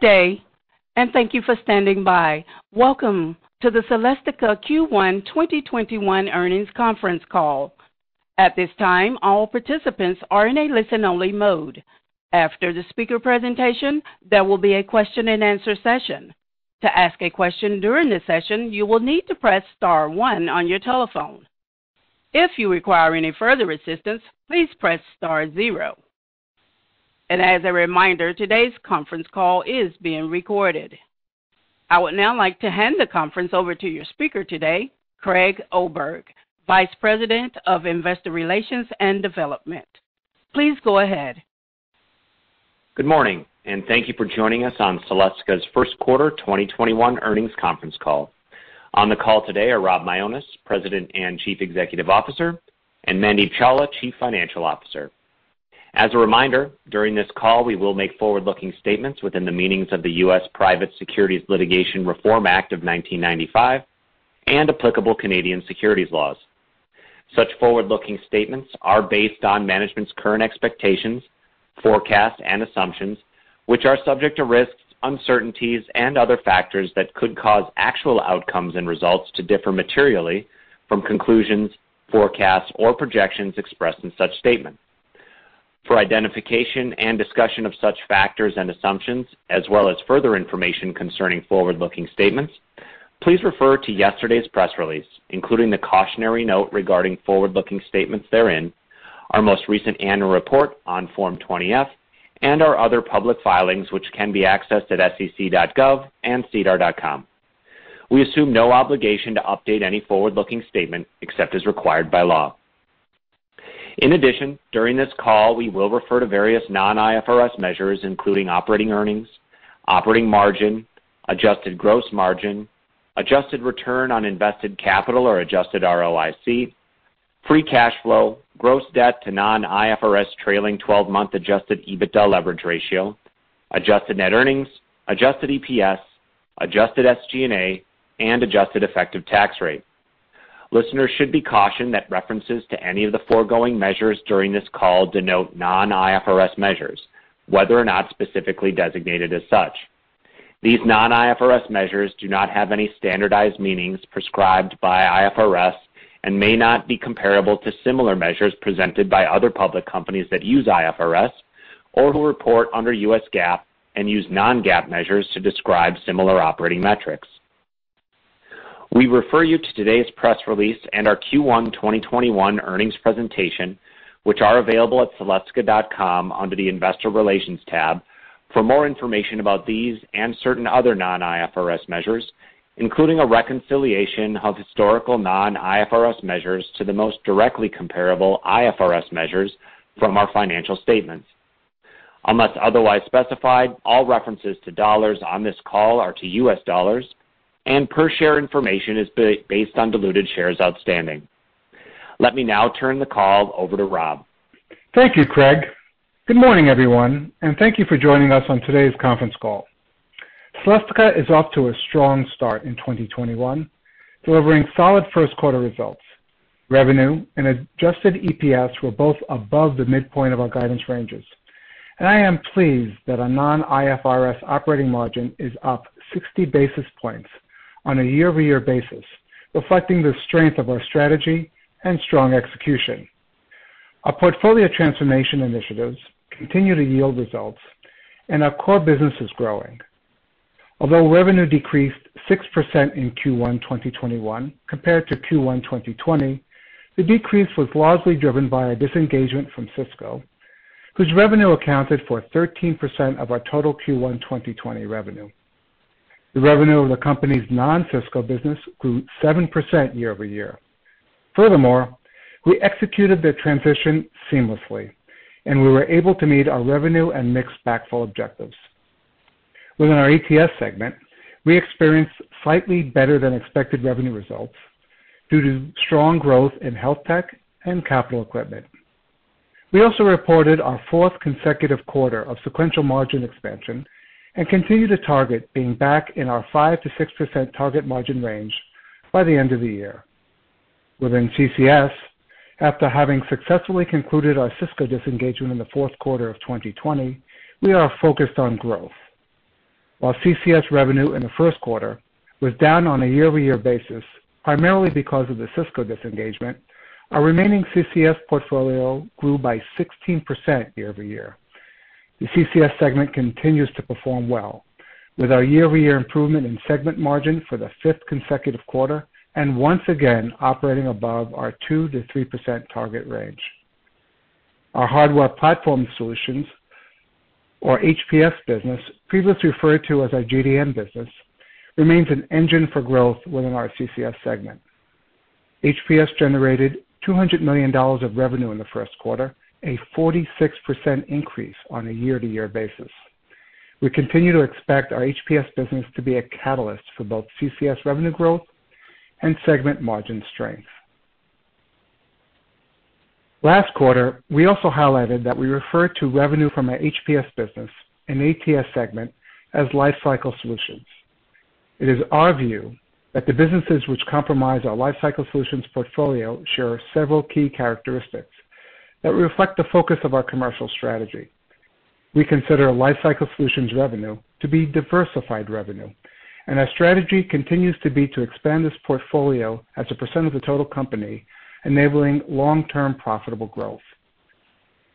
Good day, and thank you for standing by. Welcome to the Celestica Q1 2021 Earnings Conference Call. At this time, all participants are in a listen-only mode. After the speaker presentation, there will be a question and answer session. To ask a question during the session, you will need to press star one on your telephone. If you require any further assistance, please press star zero. As a reminder, today's conference call is being recorded. I would now like to hand the conference over to your speaker today, Craig Oberg, Vice President of Investor Relations and Corporate Development. Please go ahead. Good morning, and thank you for joining us on Celestica's first quarter 2021 earnings conference call. On the call today are Rob Mionis, President and Chief Executive Officer, and Mandeep Chawla, Chief Financial Officer. As a reminder, during this call, we will make forward-looking statements within the meanings of the U.S. Private Securities Litigation Reform Act of 1995 and applicable Canadian securities laws. Such forward-looking statements are based on management's current expectations, forecasts, and assumptions, which are subject to risks, uncertainties, and other factors that could cause actual outcomes and results to differ materially from conclusions, forecasts, or projections expressed in such statements. For identification and discussion of such factors and assumptions, as well as further information concerning forward-looking statements, please refer to yesterday's press release, including the cautionary note regarding forward-looking statements therein, our most recent annual report on Form 20-F, and our other public filings, which can be accessed at sec.gov and sedar.com. We assume no obligation to update any forward-looking statement except as required by law. In addition, during this call, we will refer to various non-IFRS measures, including operating earnings, operating margin, adjusted gross margin, adjusted return on invested capital or adjusted ROIC, free cash flow, gross debt to non-IFRS trailing 12-month adjusted EBITDA leverage ratio, adjusted net earnings, adjusted EPS, adjusted SG&A, and adjusted effective tax rate. Listeners should be cautioned that references to any of the foregoing measures during this call denote non-IFRS measures, whether or not specifically designated as such. These non-IFRS measures do not have any standardized meanings prescribed by IFRS and may not be comparable to similar measures presented by other public companies that use IFRS or who report under U.S. GAAP and use non-GAAP measures to describe similar operating metrics. We refer you to today's press release and our Q1 2021 earnings presentation, which are available at celestica.com under the Investor Relations tab for more information about these and certain other non-IFRS measures, including a reconciliation of historical non-IFRS measures to the most directly comparable IFRS measures from our financial statements. Unless otherwise specified, all references to dollars on this call are to U.S. dollars, and per share information is based on diluted shares outstanding. Let me now turn the call over to Rob Mionis. Thank you, Craig. Good morning, everyone, and thank you for joining us on today's conference call. Celestica is off to a strong start in 2021, delivering solid first quarter results. Revenue and adjusted EPS were both above the midpoint of our guidance ranges. I am pleased that our non-IFRS operating margin is up 60 basis points on a year-over-year basis, reflecting the strength of our strategy and strong execution. Our portfolio transformation initiatives continue to yield results, and our core business is growing. Although revenue decreased 6% in Q1 2021 compared to Q1 2020, the decrease was largely driven by a disengagement from Cisco, whose revenue accounted for 13% of our total Q1 2020 revenue. The revenue of the company's non-Cisco business grew 7% year-over-year. Furthermore, we executed the transition seamlessly, and we were able to meet our revenue and mix backfill objectives. Within our Advanced Technology Solutions segment, we experienced slightly better than expected revenue results due to strong growth in Health Tech and Capital Equipment. We also reported our fourth consecutive quarter of sequential margin expansion and continue to target being back in our 5%-6% target margin range by the end of the year. Within Connectivity & Cloud Solutions, after having successfully concluded our Cisco disengagement in the fourth quarter of 2020, we are focused on growth. While CCS revenue in the first quarter was down on a year-over-year basis primarily because of the Cisco disengagement, our remaining CCS portfolio grew by 16% year-over-year. The CCS segment continues to perform well, with our year-over-year improvement in segment margin for the fifth consecutive quarter and once again operating above our 2%-3% target range. Our Hardware Platform Solutions, or HPS business, previously referred to as our Global Design Network business, remains an engine for growth within our CCS segment. HPS generated $200 million of revenue in the first quarter, a 46% increase on a year-over-year basis. We continue to expect our HPS business to be a catalyst for both CCS revenue growth and segment margin strength. Last quarter, we also highlighted that we refer to revenue from our HPS business and ATS segment as Life Cycle Solutions. It is our view that the businesses which comprise our Life Cycle Solutions portfolio share several key characteristics that reflect the focus of our commercial strategy. We consider Life Cycle Solutions revenue to be diversified revenue, and our strategy continues to be to expand this portfolio as a percent of the total company, enabling long-term profitable growth.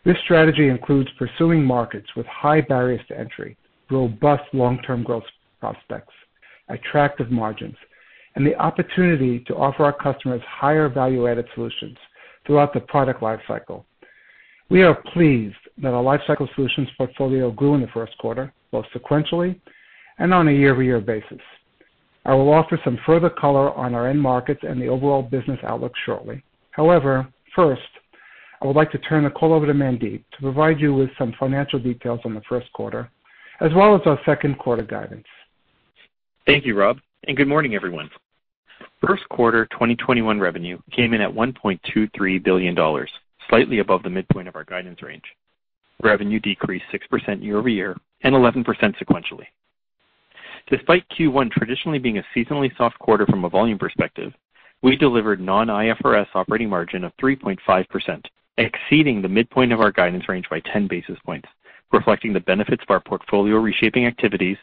This strategy includes pursuing markets with high barriers to entry, robust long-term growth prospects, attractive margins, and the opportunity to offer our customers higher value-added solutions throughout the product life cycle. We are pleased that our Life Cycle Solutions portfolio grew in the first quarter, both sequentially and on a year-over-year basis. I will offer some further color on our end markets and the overall business outlook shortly. First, I would like to turn the call over to Mandeep to provide you with some financial details on the first quarter, as well as our second quarter guidance. Thank you, Rob, and good morning, everyone. First quarter 2021 revenue came in at $1.23 billion, slightly above the midpoint of our guidance range. Revenue decreased 6% year-over-year and 11% sequentially. Despite Q1 traditionally being a seasonally soft quarter from a volume perspective, we delivered non-IFRS operating margin of 3.5%, exceeding the midpoint of our guidance range by 10 basis points, reflecting the benefits of our portfolio reshaping activities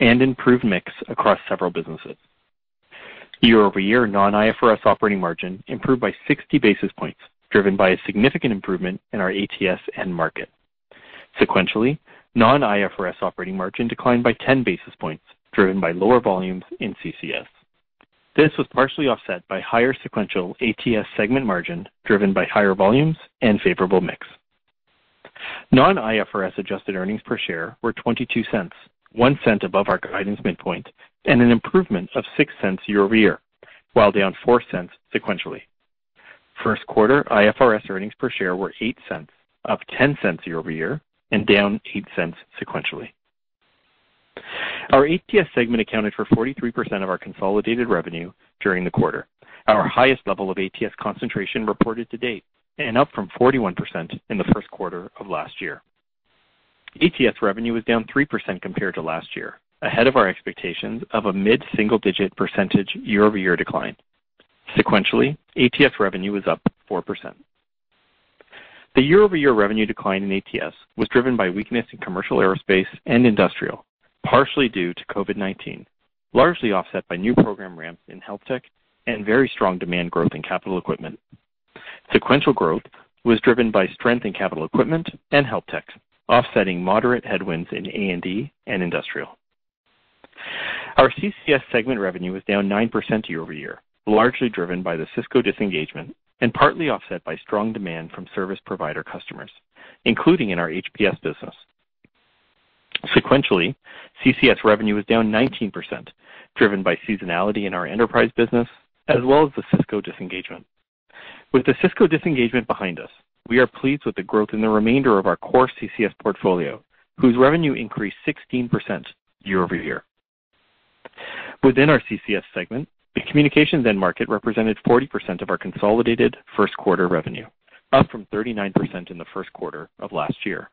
and improved mix across several businesses. Year-over-year, non-IFRS operating margin improved by 60 basis points, driven by a significant improvement in our ATS end market. Sequentially, non-IFRS operating margin declined by 10 basis points, driven by lower volumes in CCS. This was partially offset by higher sequential ATS segment margin, driven by higher volumes and favorable mix. Non-IFRS adjusted earnings per share were $0.22, $0.01 above our guidance midpoint, and an improvement of $0.06 year-over-year, while down $0.04 sequentially. First quarter IFRS earnings per share were $0.08, up $0.10 year-over-year, and down $0.08 sequentially. Our ATS segment accounted for 43% of our consolidated revenue during the quarter, our highest level of ATS concentration reported to date, and up from 41% in the first quarter of last year. ATS revenue was down 3% compared to last year, ahead of our expectations of a mid-single-digit percentage year-over-year decline. Sequentially, ATS revenue was up 4%. The year-over-year revenue decline in ATS was driven by weakness in commercial aerospace and industrial, partially due to COVID-19, largely offset by new program ramps in Health Tech and very strong demand growth in Capital Equipment. Sequential growth was driven by strength in Capital Equipment and Health Tech, offsetting moderate headwinds in A&D and industrial. Our CCS segment revenue was down 9% year-over-year, largely driven by the Cisco disengagement and partly offset by strong demand from service provider customers, including in our HPS business. Sequentially, CCS revenue was down 19%, driven by seasonality in our enterprise business, as well as the Cisco disengagement. With the Cisco disengagement behind us, we are pleased with the growth in the remainder of our core CCS portfolio, whose revenue increased 16% year-over-year. Within our CCS segment, the communications end market represented 40% of our consolidated first quarter revenue, up from 39% in the first quarter of last year.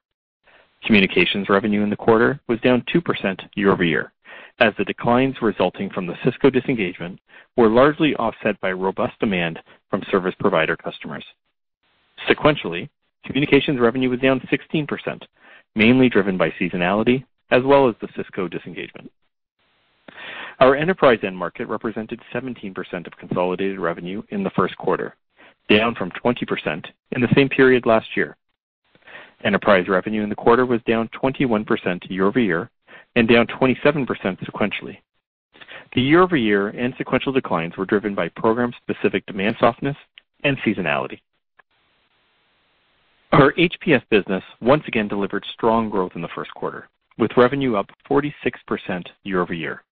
Communications revenue in the quarter was down 2% year-over-year, as the declines resulting from the Cisco disengagement were largely offset by robust demand from service provider customers. Sequentially, communications revenue was down 16%, mainly driven by seasonality as well as the Cisco disengagement. Our enterprise end market represented 17% of consolidated revenue in the first quarter, down from 20% in the same period last year. Enterprise revenue in the quarter was down 21% year-over-year and down 27% sequentially. The year-over-year and sequential declines were driven by program-specific demand softness and seasonality. Our HPS business once again delivered strong growth in the first quarter, with revenue up 46% year-over-year,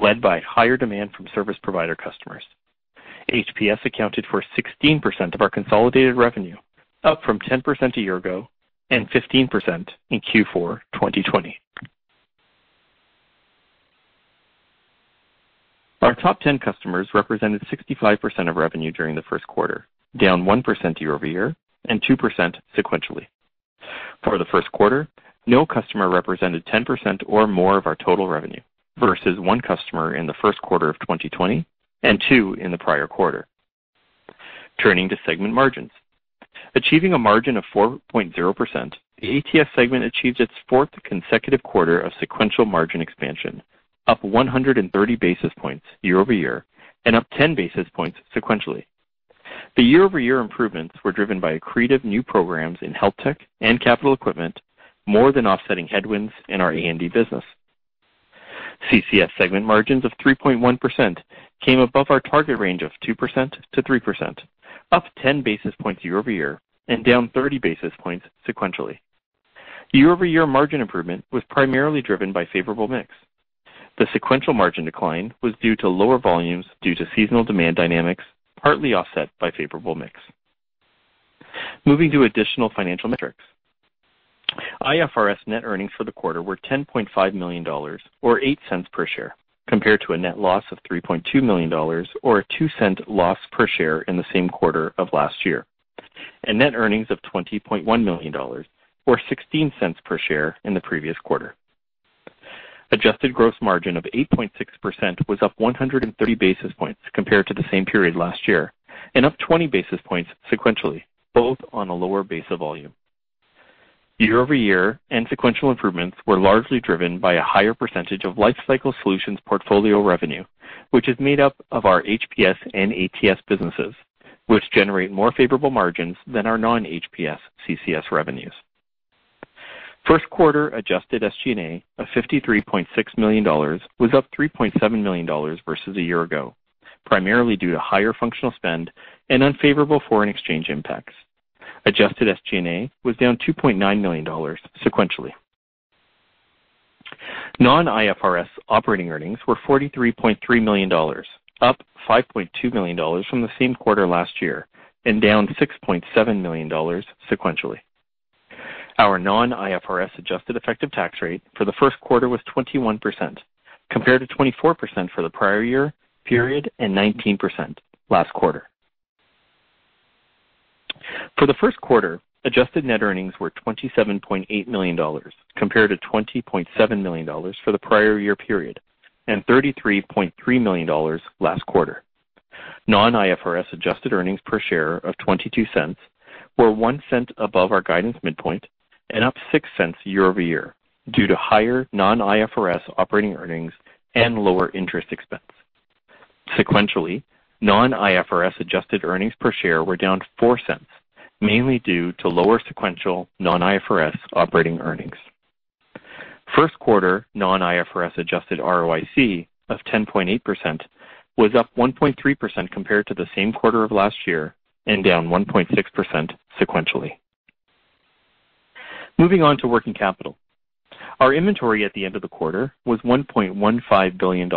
led by higher demand from service provider customers. HPS accounted for 16% of our consolidated revenue, up from 10% a year ago and 15% in Q4 2020. Our top 10 customers represented 65% of revenue during the first quarter, down 1% year-over-year and 2% sequentially. For the first quarter, no customer represented 10% or more of our total revenue, versus one customer in the first quarter of 2020 and two in the prior quarter. Turning to segment margins. Achieving a margin of 4.0%, the ATS segment achieved its fourth consecutive quarter of sequential margin expansion, up 130 basis points year-over-year and up 10 basis points sequentially. The year-over-year improvements were driven by accretive new programs in Health Tech and Capital Equipment, more than offsetting headwinds in our Aerospace and Defense business. CCS segment margins of 3.1% came above our target range of 2%-3%, up 10 basis points year-over-year and down 30 basis points sequentially. Year-over-year margin improvement was primarily driven by favorable mix. The sequential margin decline was due to lower volumes due to seasonal demand dynamics, partly offset by favorable mix. Moving to additional financial metrics. IFRS net earnings for the quarter were $10.5 million, or $0.08 per share, compared to a net loss of $3.2 million, or a $0.02 loss per share in the same quarter of last year. Net earnings of $20.1 million, or $0.16 per share in the previous quarter. Adjusted gross margin of 8.6% was up 130 basis points compared to the same period last year, and up 20 basis points sequentially, both on a lower base of volume. Year-over-year and sequential improvements were largely driven by a higher percentage of Life Cycle Solutions portfolio revenue, which is made up of our HPS and ATS businesses, which generate more favorable margins than our non-HPS CCS revenues. First quarter adjusted SG&A of $53.6 million was up $3.7 million versus a year ago, primarily due to higher functional spend and unfavorable foreign exchange impacts. Adjusted SG&A was down $2.9 million sequentially. Non-IFRS operating earnings were $43.3 million, up $5.2 million from the same quarter last year, and down $6.7 million sequentially. Our non-IFRS adjusted effective tax rate for the first quarter was 21%, compared to 24% for the prior year period and 19% last quarter. For the first quarter, adjusted net earnings were $27.8 million, compared to $20.7 million for the prior year period, and $33.3 million last quarter. Non-IFRS adjusted earnings per share of $0.22 were $0.01 above our guidance midpoint and up $0.06 year-over-year due to higher non-IFRS operating earnings and lower interest expense. Sequentially, non-IFRS adjusted earnings per share were down $0.04, mainly due to lower sequential non-IFRS operating earnings. First quarter non-IFRS adjusted ROIC of 10.8% was up 1.3% compared to the same quarter of last year and down 1.6% sequentially. Moving on to working capital. Our inventory at the end of the quarter was $1.15 billion,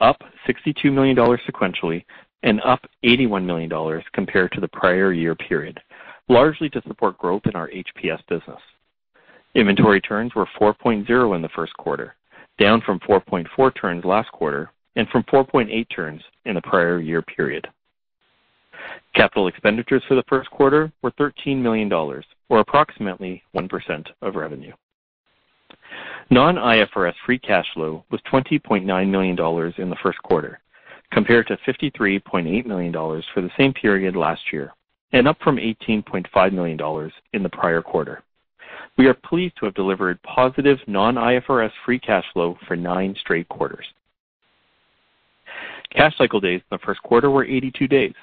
up $62 million sequentially and up $81 million compared to the prior year period, largely to support growth in our HPS business. Inventory turns were 4.0 in the first quarter, down from 4.4 turns last quarter and from 4.8 turns in the prior year period. Capital expenditures for the first quarter were $13 million, or approximately 1% of revenue. Non-IFRS free cash flow was $20.9 million in the first quarter, compared to $53.8 million for the same period last year, and up from $18.5 million in the prior quarter. We are pleased to have delivered positive non-IFRS free cash flow for nine straight quarters. Cash cycle days in the first quarter were 82 days,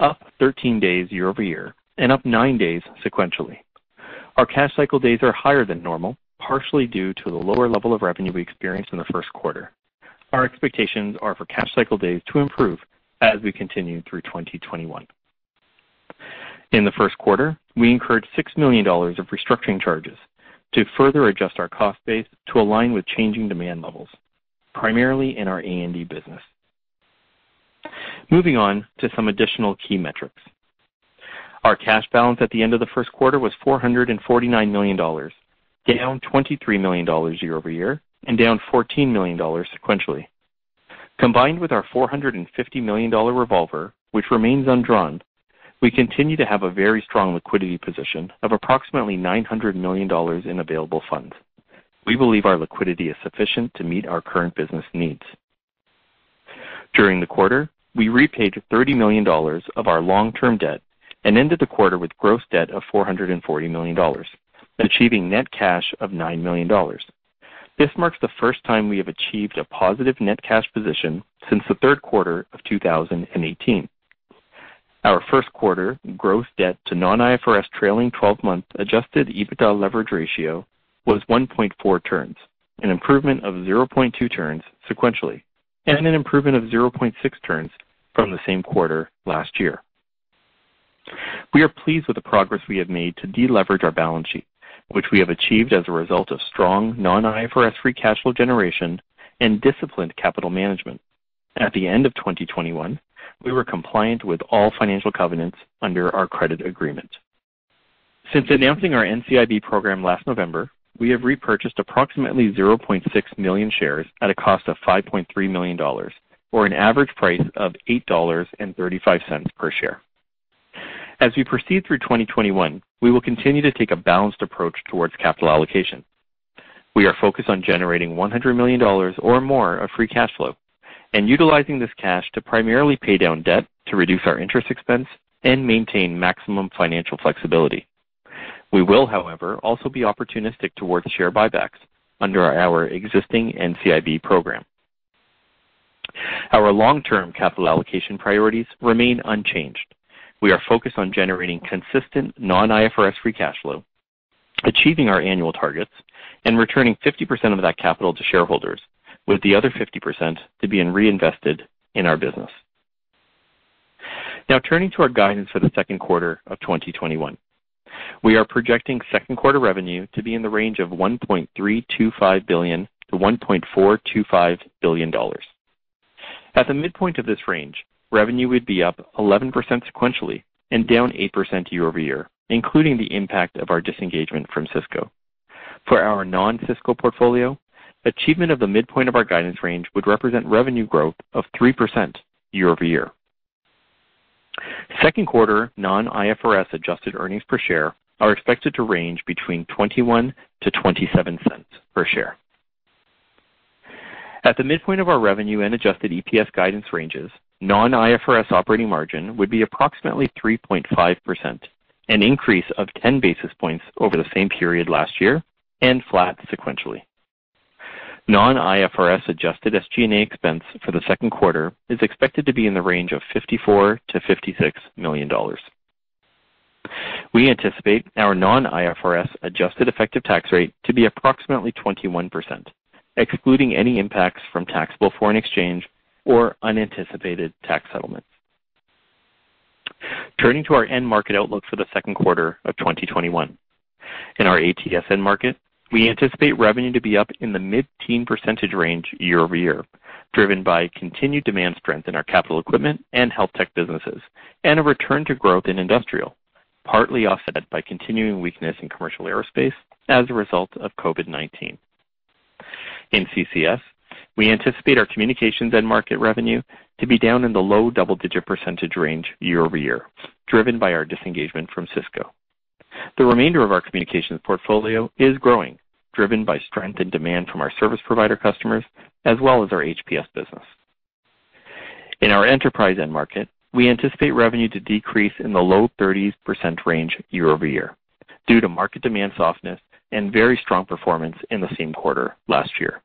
up 13 days year-over-year and up nine days sequentially. Our cash cycle days are higher than normal, partially due to the lower level of revenue we experienced in the first quarter. Our expectations are for cash cycle days to improve as we continue through 2021. In the first quarter, we incurred $6 million of restructuring charges to further adjust our cost base to align with changing demand levels, primarily in our A&D business. Moving on to some additional key metrics. Our cash balance at the end of the first quarter was $449 million, down $23 million year-over-year and down $14 million sequentially. Combined with our $450 million revolver, which remains undrawn, we continue to have a very strong liquidity position of approximately $900 million in available funds. We believe our liquidity is sufficient to meet our current business needs. During the quarter, we repaid $30 million of our long-term debt and ended the quarter with gross debt of $440 million, achieving net cash of $9 million. This marks the first time we have achieved a positive net cash position since the third quarter of 2018. Our first quarter gross debt to non-IFRS trailing 12-month adjusted EBITDA leverage ratio was 1.4 turns, an improvement of 0.2 turns sequentially, and an improvement of 0.6 turns from the same quarter last year. We are pleased with the progress we have made to deleverage our balance sheet, which we have achieved as a result of strong non-IFRS free cash flow generation and disciplined capital management. At the end of 2021, we were compliant with all financial covenants under our credit agreement. Since announcing our Normal Course Issuer Bid program last November, we have repurchased approximately 0.6 million shares at a cost of $5.3 million, or an average price of $8.35 per share. As we proceed through 2021, we will continue to take a balanced approach towards capital allocation. We are focused on generating $100 million or more of free cash flow and utilizing this cash to primarily pay down debt to reduce our interest expense and maintain maximum financial flexibility. We will, however, also be opportunistic towards share buybacks under our existing NCIB program. Our long-term capital allocation priorities remain unchanged. We are focused on generating consistent non-IFRS free cash flow, achieving our annual targets, and returning 50% of that capital to shareholders, with the other 50% to being reinvested in our business. Turning to our guidance for the second quarter of 2021. We are projecting second quarter revenue to be in the range of $1.325 billion-$1.425 billion. At the midpoint of this range, revenue would be up 11% sequentially and down 8% year-over-year, including the impact of our disengagement from Cisco. For our non-Cisco portfolio, achievement of the midpoint of our guidance range would represent revenue growth of 3% year-over-year. Second quarter non-IFRS adjusted earnings per share are expected to range between $0.21-$0.27 per share. At the midpoint of our revenue and adjusted EPS guidance ranges, non-IFRS operating margin would be approximately 3.5%, an increase of 10 basis points over the same period last year, and flat sequentially. Non-IFRS adjusted SG&A expense for the second quarter is expected to be in the range of $54 million-$56 million. We anticipate our non-IFRS adjusted effective tax rate to be approximately 21%, excluding any impacts from taxable foreign exchange or unanticipated tax settlements. Turning to our end market outlook for the second quarter of 2021. In our ATS end market, we anticipate revenue to be up in the mid-teen percentage range year-over-year, driven by continued demand strength in our Capital Equipment and Health Tech businesses, a return to growth in industrial, partly offset by continuing weakness in commercial aerospace as a result of COVID-19. In CCS, we anticipate our communications end market revenue to be down in the low double-digit percentage range year-over-year, driven by our disengagement from Cisco. The remainder of our communications portfolio is growing, driven by strength and demand from our service provider customers as well as our HPS business. In our enterprise end market, we anticipate revenue to decrease in the low 30s% range year-over-year due to market demand softness and very strong performance in the same quarter last year.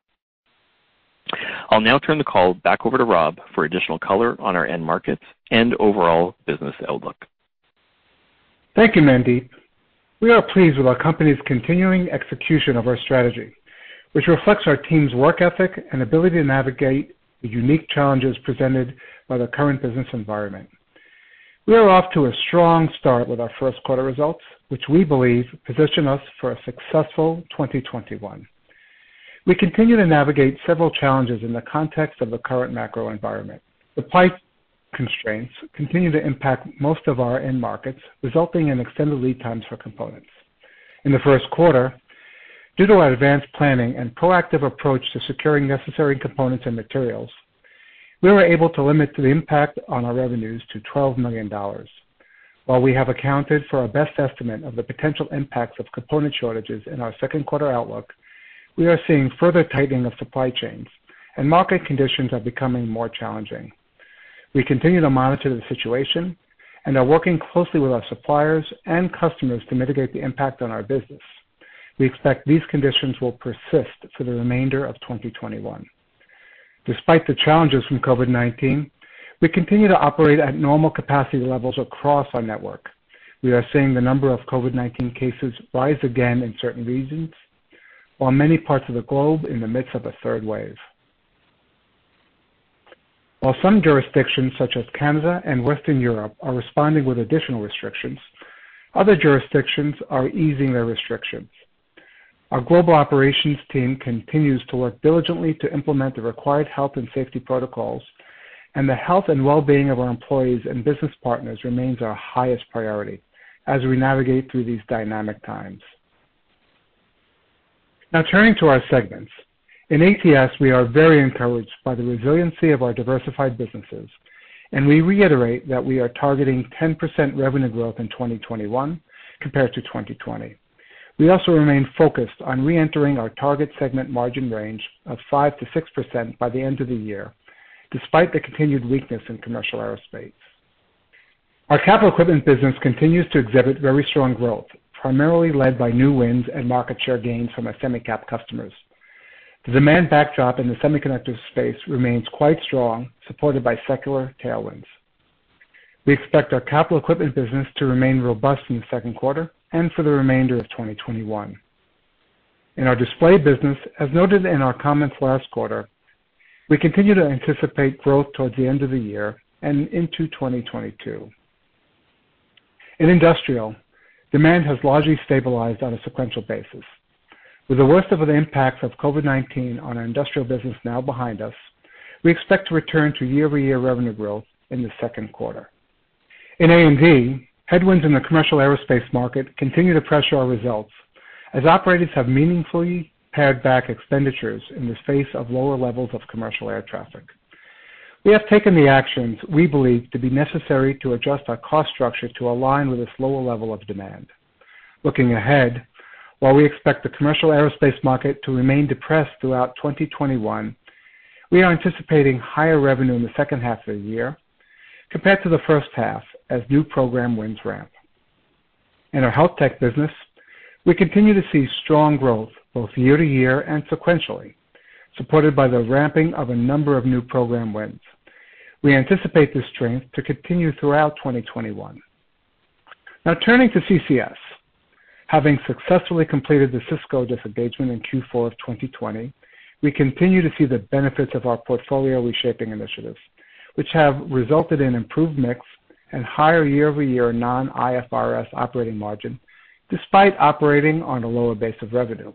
I'll now turn the call back over to Rob for additional color on our end markets and overall business outlook. Thank you, Mandeep. We are pleased with our company's continuing execution of our strategy, which reflects our team's work ethic and ability to navigate the unique challenges presented by the current business environment. We are off to a strong start with our first quarter results, which we believe position us for a successful 2021. We continue to navigate several challenges in the context of the current macro environment. Supply constraints continue to impact most of our end markets, resulting in extended lead times for components. In the first quarter, due to our advanced planning and proactive approach to securing necessary components and materials, we were able to limit the impact on our revenues to $12 million. While we have accounted for our best estimate of the potential impacts of component shortages in our second quarter outlook, we are seeing further tightening of supply chains, and market conditions are becoming more challenging. We continue to monitor the situation and are working closely with our suppliers and customers to mitigate the impact on our business. We expect these conditions will persist for the remainder of 2021. Despite the challenges from COVID-19, we continue to operate at normal capacity levels across our network. We are seeing the number of COVID-19 cases rise again in certain regions, while many parts of the globe in the midst of a third wave. While some jurisdictions, such as Canada and Western Europe, are responding with additional restrictions, other jurisdictions are easing their restrictions. Our global operations team continues to work diligently to implement the required health and safety protocols. The health and well-being of our employees and business partners remains our highest priority as we navigate through these dynamic times. Now turning to our segments. In ATS, we are very encouraged by the resiliency of our diversified businesses. We reiterate that we are targeting 10% revenue growth in 2021 compared to 2020. We also remain focused on reentering our target segment margin range of 5%-6% by the end of the year, despite the continued weakness in commercial aerospace. Our Capital Equipment business continues to exhibit very strong growth, primarily led by new wins and market share gains from our semi-cap customers. The demand backdrop in the semiconductor space remains quite strong, supported by secular tailwinds. We expect our Capital Equipment business to remain robust in the second quarter and for the remainder of 2021. In our display business, as noted in our comments last quarter, we continue to anticipate growth towards the end of the year and into 2022. In industrial, demand has largely stabilized on a sequential basis. With the worst of the impacts of COVID-19 on our industrial business now behind us, we expect to return to year-over-year revenue growth in the second quarter. In A&D, headwinds in the commercial aerospace market continue to pressure our results as operators have meaningfully pared back expenditures in the face of lower levels of commercial air traffic. We have taken the actions we believe to be necessary to adjust our cost structure to align with this lower level of demand. Looking ahead, while we expect the commercial aerospace market to remain depressed throughout 2021, we are anticipating higher revenue in the second half of the year compared to the first half as new program wins ramp. In our Health Tech business, we continue to see strong growth both year-to-year and sequentially, supported by the ramping of a number of new program wins. We anticipate this strength to continue throughout 2021. Now turning to CCS. Having successfully completed the Cisco disengagement in Q4 of 2020, we continue to see the benefits of our portfolio reshaping initiatives, which have resulted in improved mix and higher year-over-year non-IFRS operating margin, despite operating on a lower base of revenue.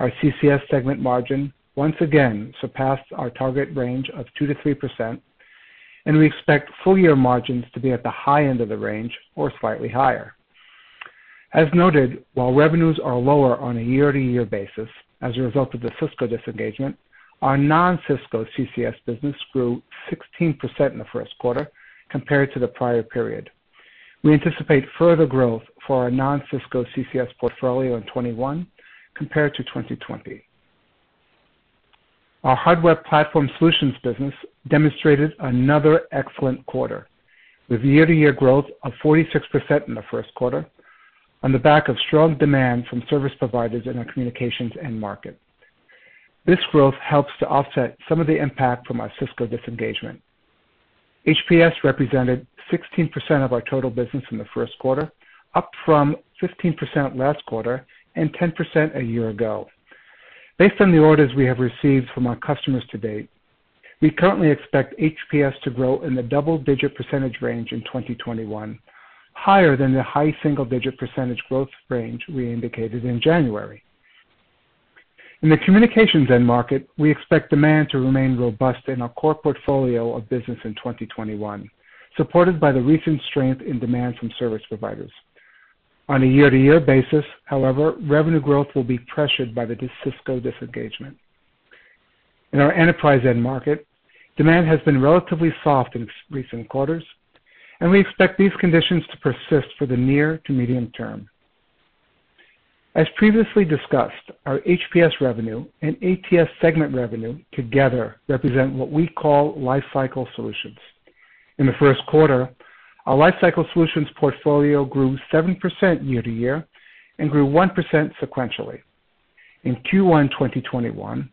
Our CCS segment margin once again surpassed our target range of 2%-3%. We expect full-year margins to be at the high end of the range or slightly higher. As noted, while revenues are lower on a year-to-year basis as a result of the Cisco disengagement, our non-Cisco CCS business grew 16% in the first quarter compared to the prior period. We anticipate further growth for our non-Cisco CCS portfolio in 2021 compared to 2020. Our Hardware Platform Solutions business demonstrated another excellent quarter, with year-to-year growth of 46% in the first quarter on the back of strong demand from service providers in our communications end market. This growth helps to offset some of the impact from our Cisco disengagement. HPS represented 16% of our total business in the first quarter, up from 15% last quarter and 10% a year ago. Based on the orders we have received from our customers to date, we currently expect HPS to grow in the double-digit percentage range in 2021, higher than the high single-digit percentage growth range we indicated in January. In the communications end market, we expect demand to remain robust in our core portfolio of business in 2021, supported by the recent strength in demand from service providers. On a year-to-year basis, however, revenue growth will be pressured by the Cisco disengagement. In our enterprise end market, demand has been relatively soft in recent quarters, and we expect these conditions to persist for the near to medium term. As previously discussed, our HPS revenue and ATS segment revenue together represent what we call Lifecycle Solutions. In the first quarter, our Lifecycle Solutions portfolio grew 7% year-to-year and grew 1% sequentially. In Q1 2021,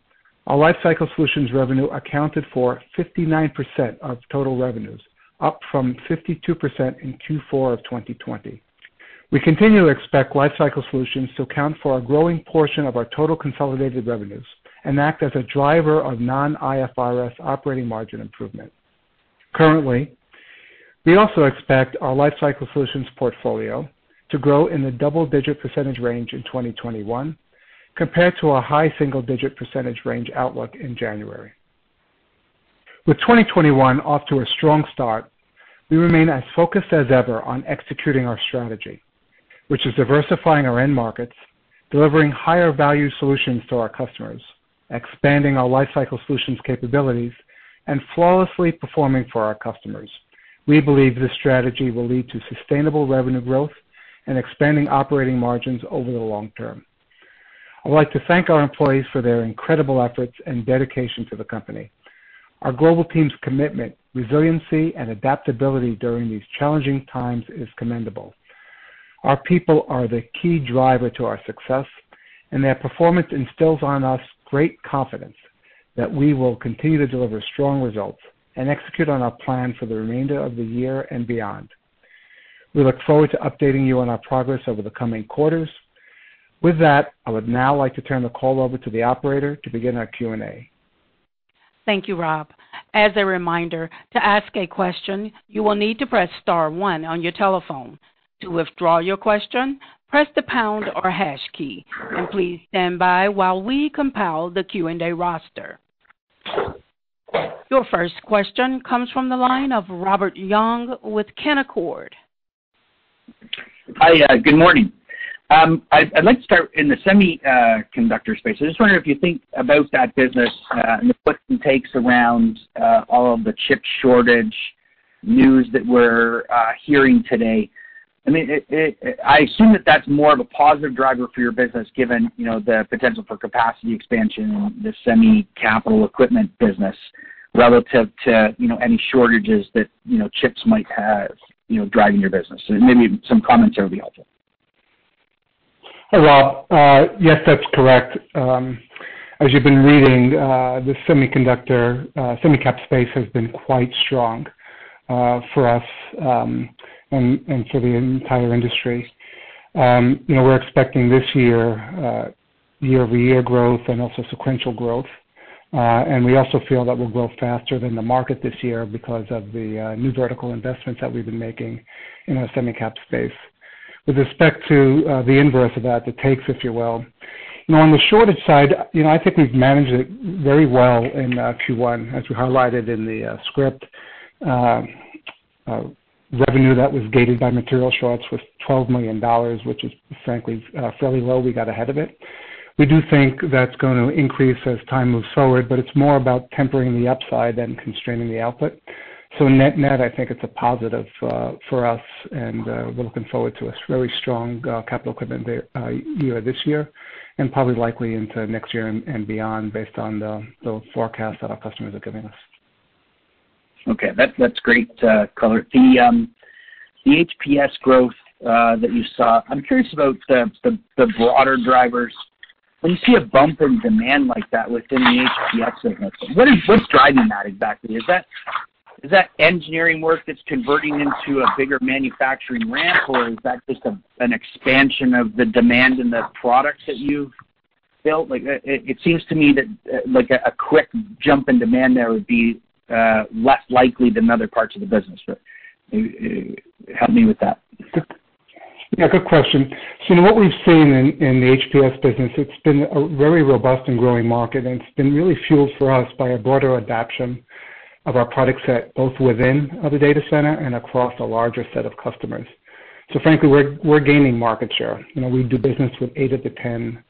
our Lifecycle Solutions revenue accounted for 59% of total revenues, up from 52% in Q4 of 2020. We continue to expect Lifecycle Solutions to account for a growing portion of our total consolidated revenues and act as a driver of non-IFRS operating margin improvement. Currently, we also expect our Life Cycle Solutions portfolio to grow in the double-digit percentage range in 2021, compared to a high single-digit percentage range outlook in January. With 2021 off to a strong start, we remain as focused as ever on executing our strategy, which is diversifying our end markets, delivering higher-value solutions to our customers, expanding our Life Cycle Solutions capabilities, and flawlessly performing for our customers. We believe this strategy will lead to sustainable revenue growth and expanding operating margins over the long term. I'd like to thank our employees for their incredible efforts and dedication to the company. Our global team's commitment, resiliency, and adaptability during these challenging times is commendable. Our people are the key driver to our success, and their performance instills in us great confidence that we will continue to deliver strong results and execute on our plan for the remainder of the year and beyond. We look forward to updating you on our progress over the coming quarters. With that, I would now like to turn the call over to the operator to begin our Q&A. Thank you, Rob. As a reminder, to ask a question, you will need to press star one on your telephone. To withdraw your question, press the pound or hash key, and please stand by while we compile the Q&A roster. Your first question comes from the line of Robert Young with Canaccord. Hi. Good morning. I'd like to start in the semiconductor space. I just wonder if you think about that business and the puts and takes around all of the chip shortage news that we're hearing today. I assume that that's more of a positive driver for your business, given the potential for capacity expansion in the semi Capital Equipment business relative to any shortages that chips might have driving your business. Maybe some comments there would be helpful. Hey, Robert. Yes, that's correct. As you've been reading, the semiconductor semi cap space has been quite strong for us and for the entire industry. We're expecting this year year-over-year growth and also sequential growth. We also feel that we'll grow faster than the market this year because of the new vertical investments that we've been making in our semi cap space. With respect to the inverse of that, the takes, if you will, on the shortage side, I think we've managed it very well in Q1. As we highlighted in the script, revenue that was gated by material shorts was $12 million, which is frankly fairly low. We got ahead of it. We do think that's going to increase as time moves forward, but it's more about tempering the upside than constraining the output. Net, I think it's a positive for us, and we're looking forward to a very strong Capital Equipment year this year and probably likely into next year and beyond based on the forecast that our customers are giving us. Okay. That's great color. The HPS growth that you saw, I'm curious about the broader drivers. When you see a bump in demand like that within the HPS business, what is driving that exactly? Is that engineering work that's converting into a bigger manufacturing ramp, or is that just an expansion of the demand in the products that you've built? It seems to me that a quick jump in demand there would be less likely than other parts of the business, but help me with that. Yeah, good question. What we've seen in the HPS business, it's been a very robust and growing market, and it's been really fueled for us by a broader adaption of our product set, both within the data center and across a larger set of customers. Frankly, we're gaining market share. We do business with eight of the 10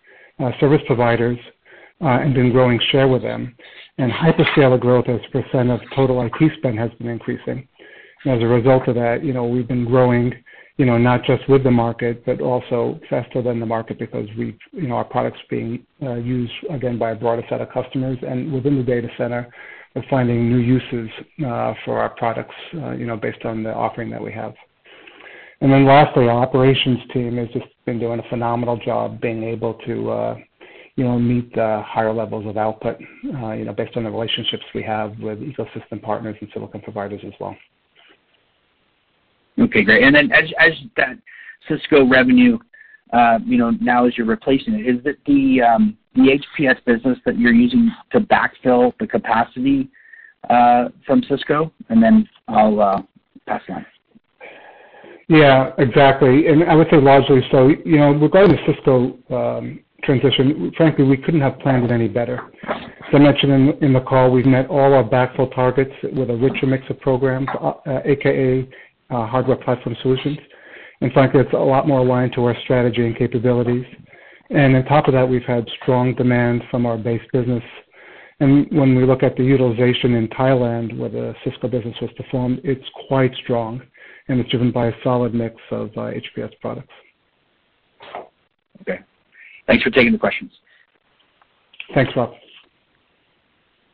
service providers, and been growing share with them. Hyperscaler growth as a percent of total Information Technology spend has been increasing. As a result of that, we've been growing, not just with the market, but also faster than the market because our products are being used, again, by a broader set of customers. Within the data center, we're finding new uses for our products based on the offering that we have. Lastly, our operations team has just been doing a phenomenal job being able to meet the higher levels of output based on the relationships we have with ecosystem partners and silicon providers as well. Okay, great. As that Cisco revenue, now as you're replacing it, is it the HPS business that you're using to backfill the capacity from Cisco? I'll pass it on. Yeah, exactly. I would say largely so. Regarding the Cisco transition, frankly, we couldn't have planned it any better. As I mentioned in the call, we've met all our backfill targets with a richer mix of programs, also known as Hardware Platform Solutions. Frankly, it's a lot more aligned to our strategy and capabilities. On top of that, we've had strong demand from our base business. When we look at the utilization in Thailand, where the Cisco business was performed, it's quite strong, and it's driven by a solid mix of HPS products. Okay. Thanks for taking the questions. Thanks, Robert.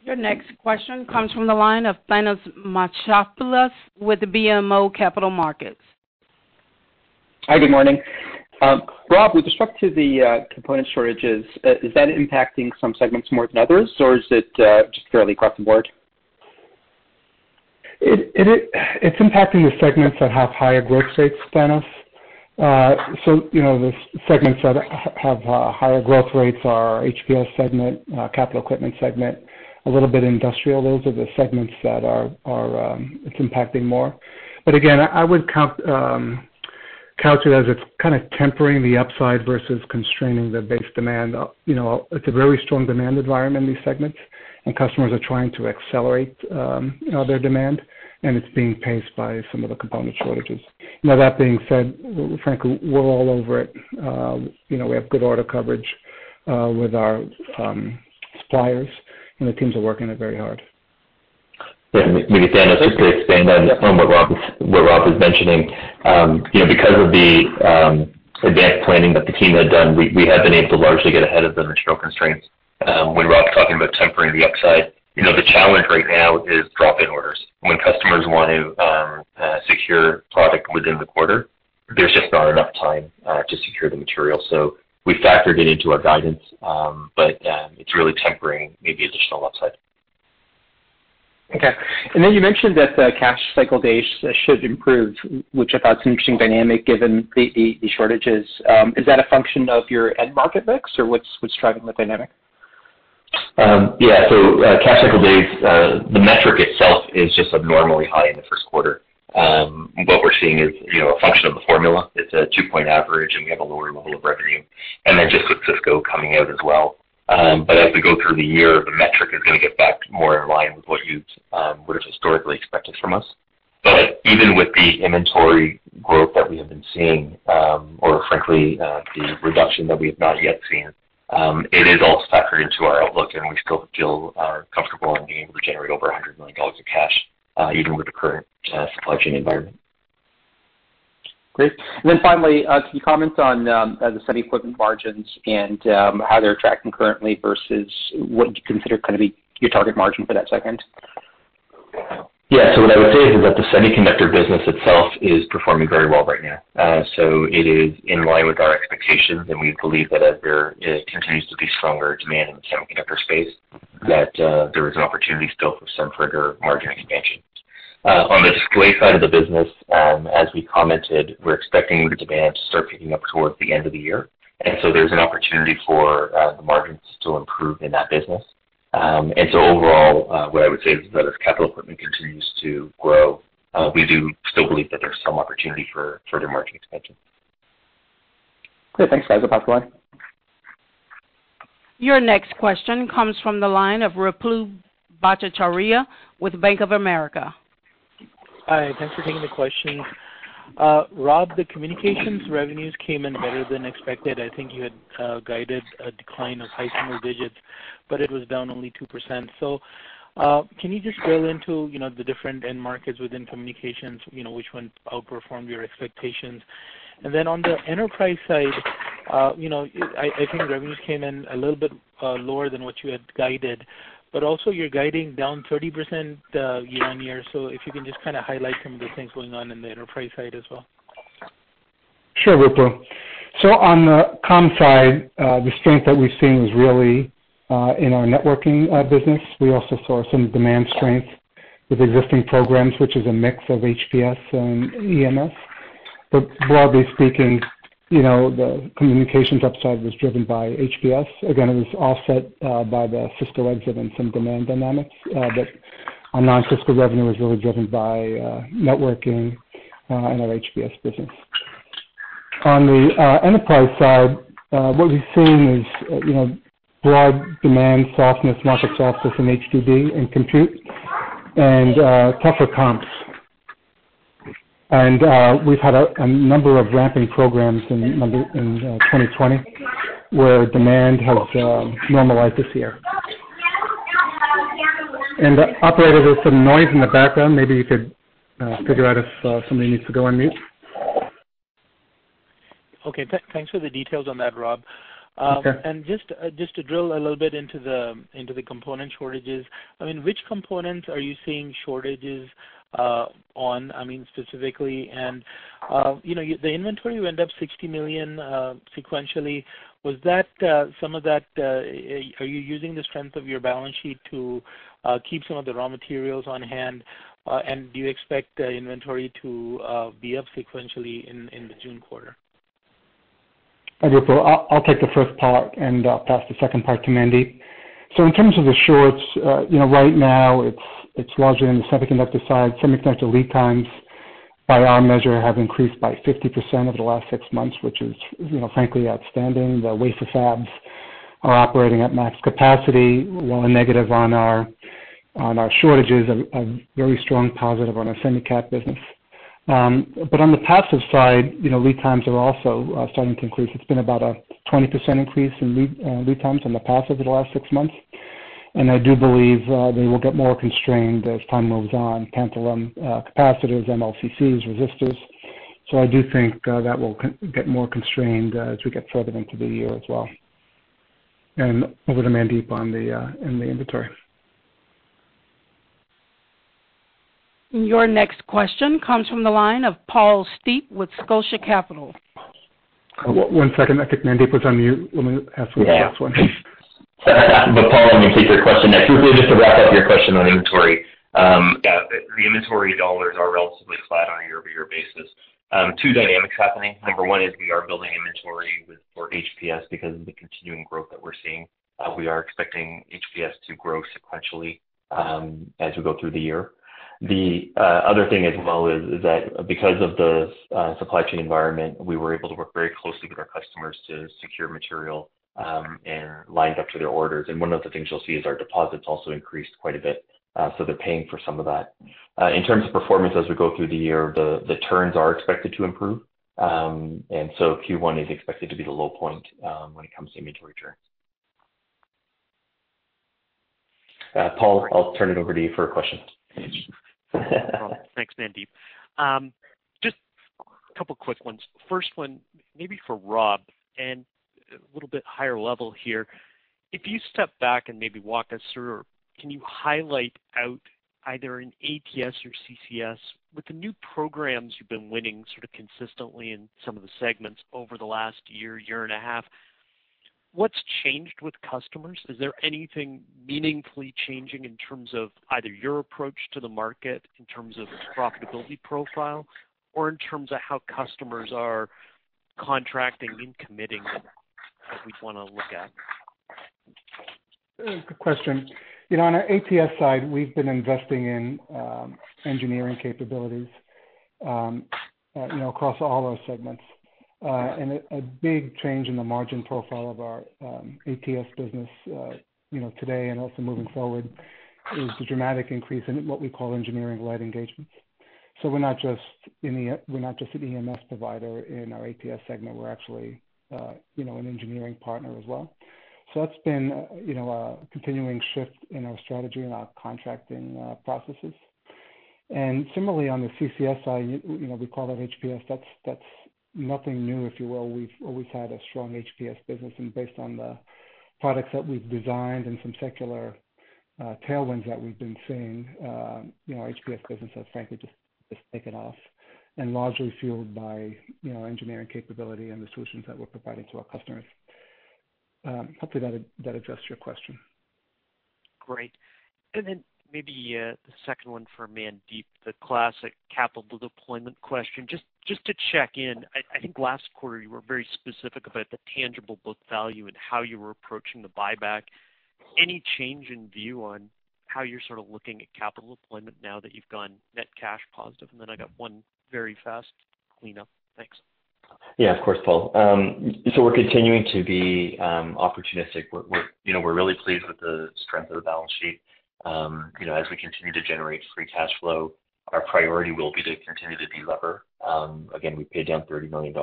Your next question comes from the line of Thanos Moschopoulos with BMO Capital Markets. Hi, good morning. Rob Mionis, with respect to the component shortages, is that impacting some segments more than others, or is it just fairly across the board? It's impacting the segments that have higher growth rates, Thanos. The segments that have higher growth rates are HPS segment, Capital Equipment segment, a little bit industrial. Those are the segments that it's impacting more. Again, I would couch it as it's kind of tempering the upside versus constraining the base demand. It's a very strong demand environment in these segments, and customers are trying to accelerate their demand, and it's being paced by some of the component shortages. That being said, frankly, we're all over it. We have good order coverage with our suppliers, and the teams are working it very hard. Yeah. Maybe, Thanos, just to expand on what Rob is mentioning. Because of the advanced planning that the team had done, we have been able to largely get ahead of the material constraints. When Rob's talking about tempering the upside, the challenge right now is drop-in orders. When customers want to secure product within the quarter, there's just not enough time to secure the material. We factored it into our guidance, but it's really tempering maybe additional upside. Okay. You mentioned that the cash cycle days should improve, which I thought is an interesting dynamic given the shortages. Is that a function of your end market mix, or what's driving the dynamic? Cash cycle days, the metric itself is just abnormally high in the first quarter. What we're seeing is a function of the formula. It's a two-point average, we have a lower level of revenue, just with Cisco coming out as well. As we go through the year, the metric is going to get back more in line with what you would've historically expected from us. Even with the inventory growth that we have been seeing, or frankly, the reduction that we have not yet seen, it is all factored into our outlook, and we still feel comfortable in being able to generate over $100 million of cash, even with the current supply chain environment. Great. Finally, can you comment on the semi equipment margins and how they're tracking currently versus what you consider going to be your target margin for that segment? Yeah. What I would say is that the semiconductor business itself is performing very well right now. It is in line with our expectations, and we believe that as there continues to be stronger demand in the semiconductor space, that there is an opportunity still for some further margin expansion. On the display side of the business, as we commented, we're expecting the demand to start picking up towards the end of the year. There's an opportunity for the margins to improve in that business. Overall, what I would say is that as Capital Equipment continues to grow, we do still believe that there's some opportunity for further margin expansion. Great. Thanks, guys. I'll pass the line. Your next question comes from the line of Ruplu Bhattacharya with Bank of America. Hi, thanks for taking the question. Rob, the communications revenues came in better than expected. I think you had guided a decline of high single digits, but it was down only 2%. Can you just drill into the different end markets within communications, which ones outperformed your expectations? On the enterprise side, I think revenues came in a little bit lower than what you had guided, but also you're guiding down 30% year-on-year. If you can just kind of highlight some of the things going on in the enterprise side as well. Sure, Ruplu. On the comms side, the strength that we've seen was really in our networking business. We also saw some demand strength with existing programs, which is a mix of Hardware Platform Solutions and Electronic Manufacturing Services. Broadly speaking, the communications upside was driven by HPS. Again, it was offset by the Cisco exit and some demand dynamics. Our non-Cisco revenue was really driven by networking and our HPS business. On the enterprise side, what we're seeing is broad demand softness, market softness in HDD and compute, and tougher comps. We've had a number of ramping programs in 2020 where demand has normalized this year. Operator, there's some noise in the background. Maybe you could figure out if somebody needs to go on mute. Okay. Thanks for the details on that, Rob. Sure. Just to drill a little bit into the component shortages, which components are you seeing shortages on, specifically? The inventory, you end up $60 million sequentially. Are you using the strength of your balance sheet to keep some of the raw materials on hand? Do you expect the inventory to be up sequentially in the June quarter? I'll take the first part and pass the second part to Mandeep. In terms of the shorts, right now it's larger in the semiconductor side. Some extent your lead times by our measure have increased by 50% over the last six months, which is frankly outstanding. The wafer fabs are operating at max capacity, negative on our shortages and a very strong positive on our semicap business. On the passive side, lead times are also starting to increase. It's been about a 20% increase in lead times on the passive over the last six months. I do believe they will get more constrained as time moves on, tantalum capacitors, [multilayer ceramic capacitors], resistors. I do think that will get more constrained as we get further into the year as well. Over to Mandeep on the inventory. Your next question comes from the line of Paul Steep with Scotia Capital. One second. I think Mandeep was on mute. Let me ask him this last one. Yeah. Paul, let me take your question next. Quickly, just to wrap up your question on inventory. Yeah, the inventory dollars are relatively flat on a year-over-year basis. Two dynamics happening. Number one is we are building inventory for HPS because of the continuing growth that we're seeing. We are expecting HPS to grow sequentially as we go through the year. The other thing as well is that because of the supply chain environment, we were able to work very closely with our customers to secure material and lined up to their orders. One of the things you'll see is our deposits also increased quite a bit. They're paying for some of that. In terms of performance as we go through the year, the turns are expected to improve. Q1 is expected to be the low point when it comes to inventory turns. Paul, I'll turn it over to you for a question. Thanks, Mandeep. Just a couple quick ones. First one, maybe for Rob, and a little bit higher level here. If you step back and maybe walk us through, or can you highlight out either in ATS or CCS, with the new programs you've been winning sort of consistently in some of the segments over the last year and a half, what's changed with customers? Is there anything meaningfully changing in terms of either your approach to the market in terms of its profitability profile, or in terms of how customers are contracting and committing that we'd want to look at? Good question. On our ATS side, we've been investing in engineering capabilities across all our segments. A big change in the margin profile of our ATS business today and also moving forward is the dramatic increase in what we call engineering-led engagements. We're not just an EMS provider in our ATS segment. We're actually an engineering partner as well. That's been a continuing shift in our strategy and our contracting processes. Similarly, on the CCS side, we call that HPS, that's nothing new, if you will. We've always had a strong HPS business, and based on the products that we've designed and some secular tailwinds that we've been seeing, our HPS business has frankly just taken off and largely fueled by engineering capability and the solutions that we're providing to our customers. Hopefully that addressed your question. Great. Then maybe the second one for Mandeep, the classic capital deployment question. Just to check in, I think last quarter you were very specific about the tangible book value and how you were approaching the buyback. Any change in view on how you're sort of looking at capital deployment now that you've gone net cash positive? Then I got one very fast cleanup. Thanks. Yeah, of course, Paul. We're continuing to be opportunistic. We're really pleased with the strength of the balance sheet. As we continue to generate free cash flow, our priority will be to continue to delever. Again, we paid down $30 million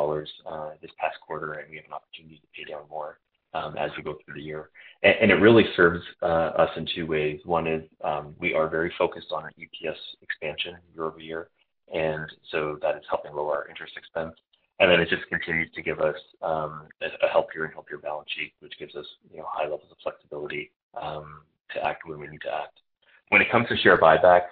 this past quarter, and we have an opportunity to pay down more as we go through the year. It really serves us in two ways. One is we are very focused on our EPS expansion year-over-year, and so that is helping lower our interest expense. It just continues to give us a healthier and healthier balance sheet, which gives us high levels of flexibility to act when we need to act. When it comes to share buybacks,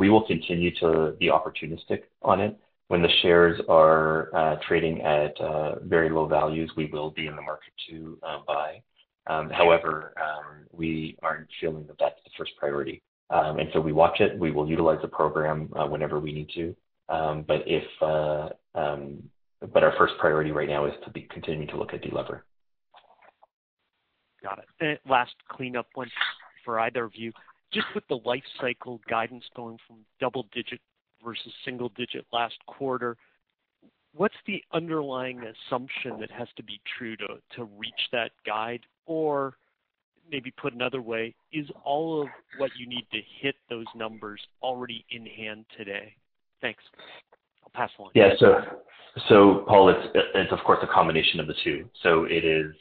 we will continue to be opportunistic on it. When the shares are trading at very low values, we will be in the market to buy. We aren't feeling that that's the first priority. We watch it. We will utilize the program whenever we need to. Our first priority right now is to continue to look at delever. Got it. Last cleanup one for either of you, just with the Life Cycle Solutions guidance going from double-digit versus single-digit last quarter, what's the underlying assumption that has to be true to reach that guide? Or maybe put another way, is all of what you need to hit those numbers already in hand today? Thanks. Yeah. Paul, it's of course, a combination of the two. It is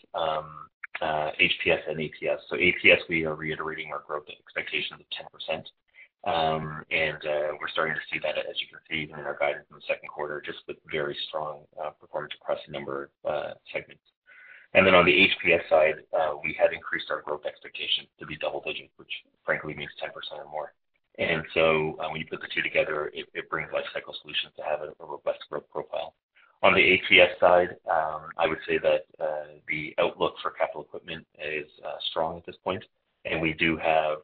HPS and ATS. ATS, we are reiterating our growth expectations of 10%, and we're starting to see that, as you can see, even in our guidance in the second quarter, just with very strong performance across a number of segments. On the HPS side, we have increased our growth expectations to be double digits, which frankly means 10% or more. When you put the two together, it brings Life Cycle Solutions to have a robust growth profile. On the ATS side, I would say that the outlook for capital equipment is strong at this point, and we do have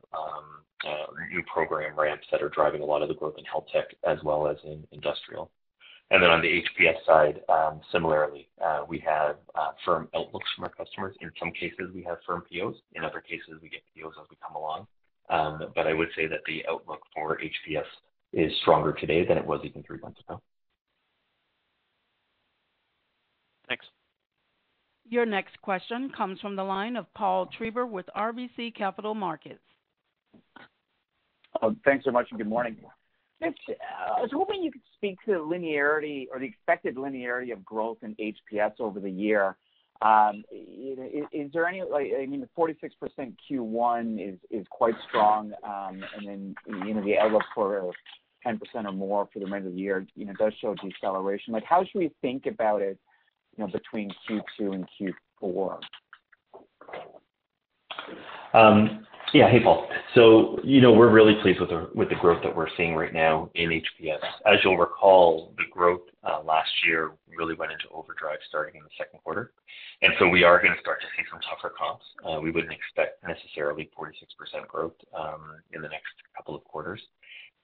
new program ramps that are driving a lot of the growth in Health Tech as well as in industrial. On the HPS side, similarly, we have firm outlooks from our customers. In some cases we have firm POs, in other cases we get POs as we come along. I would say that the outlook for HPS is stronger today than it was even three months ago. Thanks. Your next question comes from the line of Paul Treiber with RBC Capital Markets. Thanks so much, and good morning. Mandeep, I was hoping you could speak to the linearity or the expected linearity of growth in HPS over the year. I mean, the 46% Q1 is quite strong, and then the outlook for 10% or more for the remainder of the year does show a deceleration. How should we think about it between Q2 and Q4? Hey, Paul. We're really pleased with the growth that we're seeing right now in HPS. As you'll recall, the growth last year really went into overdrive starting in the second quarter, we are going to start to see some tougher comps. We wouldn't expect necessarily 46% growth in the next couple of quarters.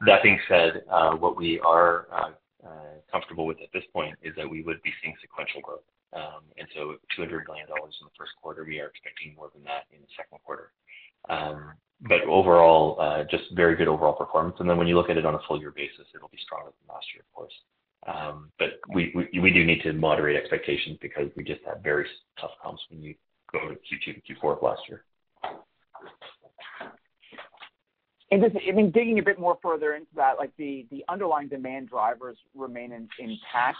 That being said, what we are comfortable with at this point is that we would be seeing sequential growth, $200 million in the first quarter, we are expecting more than that in the second quarter. Overall, just very good overall performance, when you look at it on a full year basis, it'll be stronger than last year, of course. We do need to moderate expectations because we just had very tough comps when you go to Q2 and Q4 of last year. Just, digging a bit more further into that, the underlying demand drivers remain intact.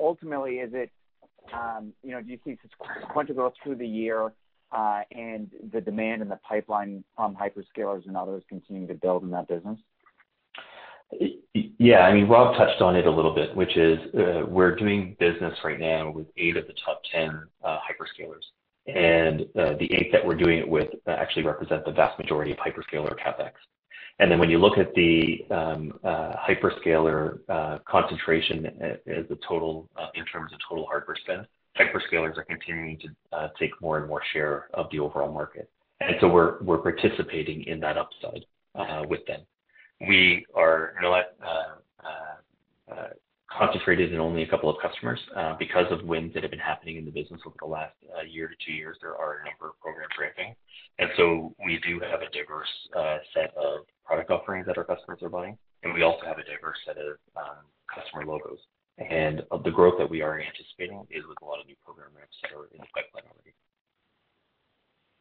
Ultimately, do you think sequential growth through the year, and the demand in the pipeline from hyperscalers and others continuing to build in that business? Yeah. I mean, Rob touched on it a little bit, which is we're doing business right now with eight of the top 10 hyperscalers. The eight that we're doing it with actually represent the vast majority of hyperscaler CapEx. When you look at the hyperscaler concentration as a total in terms of total hardware spend, hyperscalers are continuing to take more and more share of the overall market. We're participating in that upside with them. We are not concentrated in only a couple of customers. Because of wins that have been happening in the business over the last year to two years, there are a number of programs ramping, we do have a diverse set of product offerings that our customers are buying, and we also have a diverse set of customer logos. The growth that we are anticipating is with a lot of new program ramps that are in the pipeline already.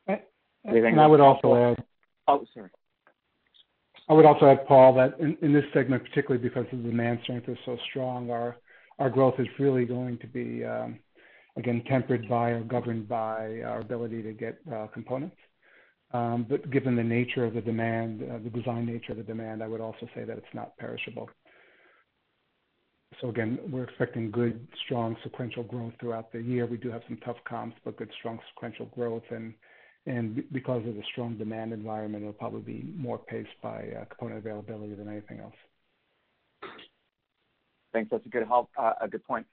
Okay. And I would also add. Oh, sorry. I would also add, Paul, that in this segment, particularly because the demand strength is so strong, our growth is really going to be again, tempered by or governed by our ability to get components. Given the nature of the demand, the design nature of the demand, I would also say that it's not perishable. Again, we're expecting good, strong sequential growth throughout the year. We do have some tough comps, but good, strong sequential growth, and because of the strong demand environment, it'll probably be more paced by component availability than anything else. Thanks. That's a good point.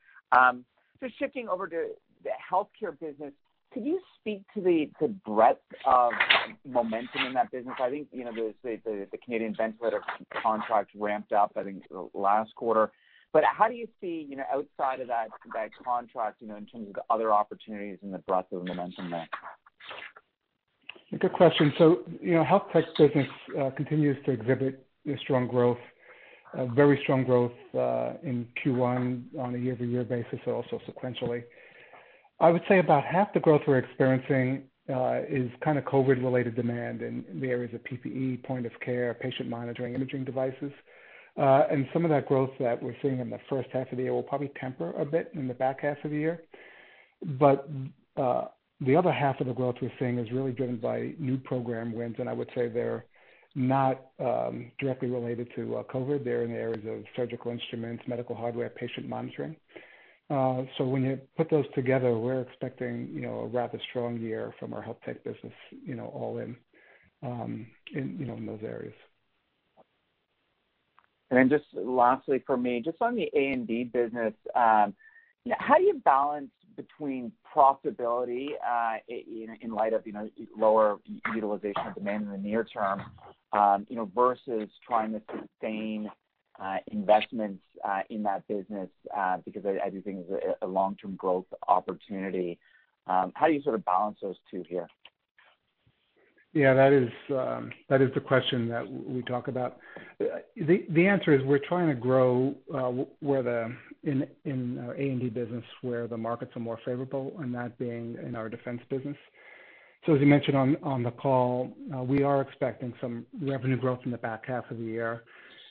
Shifting over to the healthcare business, could you speak to the breadth of momentum in that business? I think, the Canadian ventilator contract ramped up, I think, last quarter. How do you see outside of that contract in terms of the other opportunities and the breadth of momentum there? Good question. Health Tech business continues to exhibit strong growth, very strong growth in Q1 on a year-over-year basis, also sequentially. I would say about half the growth we're experiencing is kind of COVID-related demand, and there is a PPE point of care, patient monitoring, imaging devices. Some of that growth that we're seeing in the first half of the year will probably temper a bit in the back half of the year. The other half of the growth we're seeing is really driven by new program wins, and I would say they're not directly related to COVID. They're in the areas of surgical instruments, medical hardware, patient monitoring. When you put those together, we're expecting a rather strong year from our Health Tech business all in those areas. Just lastly for me, just on the A&D business, how do you balance between profitability in light of lower utilization of demand in the near term versus trying to sustain investments in that business, because I do think it's a long-term growth opportunity? How do you sort of balance those two here? Yeah, that is the question that we talk about. The answer is we're trying to grow in our A&D business where the markets are more favorable, and that being in our defense business. As we mentioned on the call, we are expecting some revenue growth in the back half of the year.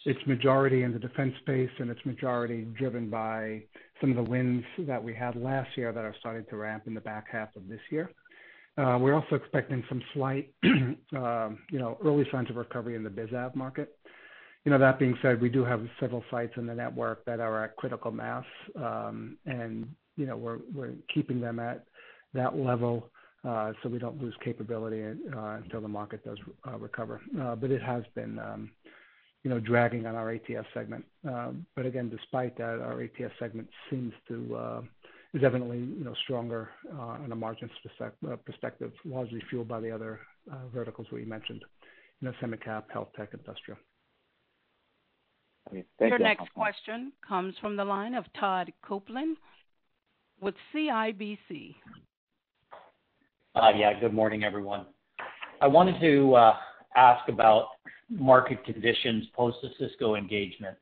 It's majority in the defense space, and it's majority driven by some of the wins that we had last year that are starting to ramp in the back half of this year. We're also expecting some slight early signs of recovery in the business aviation market. That being said, we do have several sites in the network that are at critical mass, and we're keeping them at that level so we don't lose capability until the market does recover. It has been dragging on our ATS segment. Again, despite that, our ATS segment is evidently stronger in a margin perspective, largely fueled by the other verticals we mentioned the semicap, Health Tech, industrial. Okay. Thank you. Your next question comes from the line of Todd Coupland with CIBC. Yeah, good morning, everyone. I wanted to ask about market conditions post the Cisco engagement.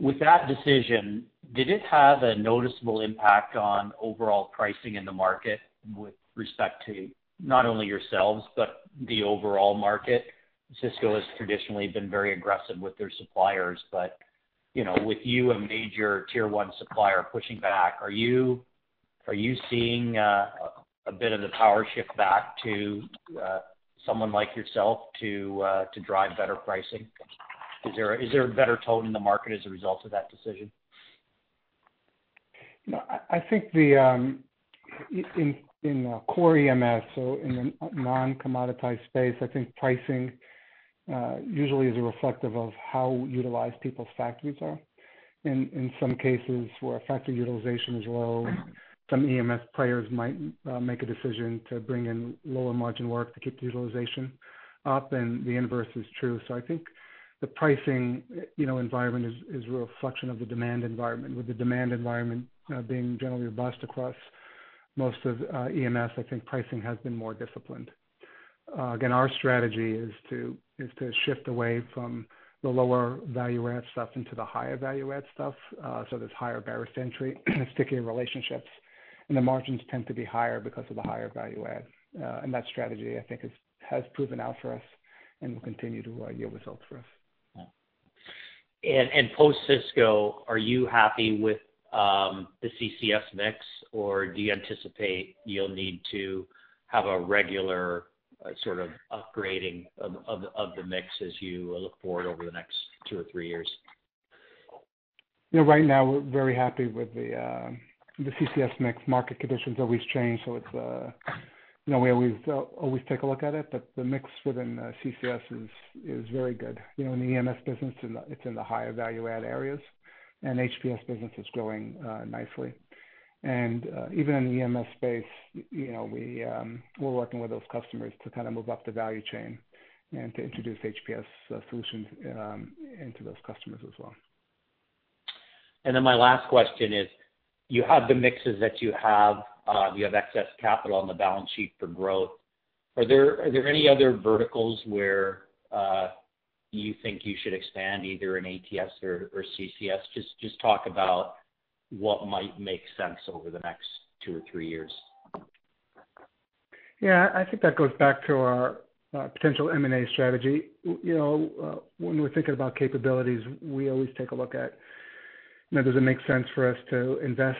With that decision, did it have a noticeable impact on overall pricing in the market with respect to not only yourselves, but the overall market? Cisco has traditionally been very aggressive with their suppliers, but with you, a major Tier 1 supplier pushing back, are you seeing a bit of the power shift back to someone like yourself to drive better pricing? Is there a better tone in the market as a result of that decision? No, I think in core EMS, so in the non-commoditized space, I think pricing usually is reflective of how utilized people's factories are. In some cases, where factory utilization is low, some EMS players might make a decision to bring in lower margin work to keep the utilization up, and the inverse is true. I think the pricing environment is a reflection of the demand environment. With the demand environment being generally robust across most of EMS, I think pricing has been more disciplined. Again, our strategy is to shift away from the lower value add stuff into the higher value add stuff, so there's higher barrier to entry, stickier relationships, and the margins tend to be higher because of the higher value add. That strategy, I think, has proven out for us and will continue to yield results for us. Yeah. Post-Cisco, are you happy with the CCS mix? Do you anticipate you'll need to have a regular sort of upgrading of the mix as you look forward over the next two or three years? Right now, we're very happy with the CCS mix. Market conditions always change, so we always take a look at it, but the mix within CCS is very good. In the EMS business, it's in the higher value add areas, and HPS business is growing nicely. Even in the EMS space, we're working with those customers to kind of move up the value chain and to introduce HPS solutions into those customers as well. My last question is, you have the mixes that you have. Do you have excess capital on the balance sheet for growth? Are there any other verticals where you think you should expand, either in ATS or CCS? Just talk about what might make sense over the next two or three years. Yeah, I think that goes back to our potential M&A strategy. When we're thinking about capabilities, we always take a look at does it make sense for us to invest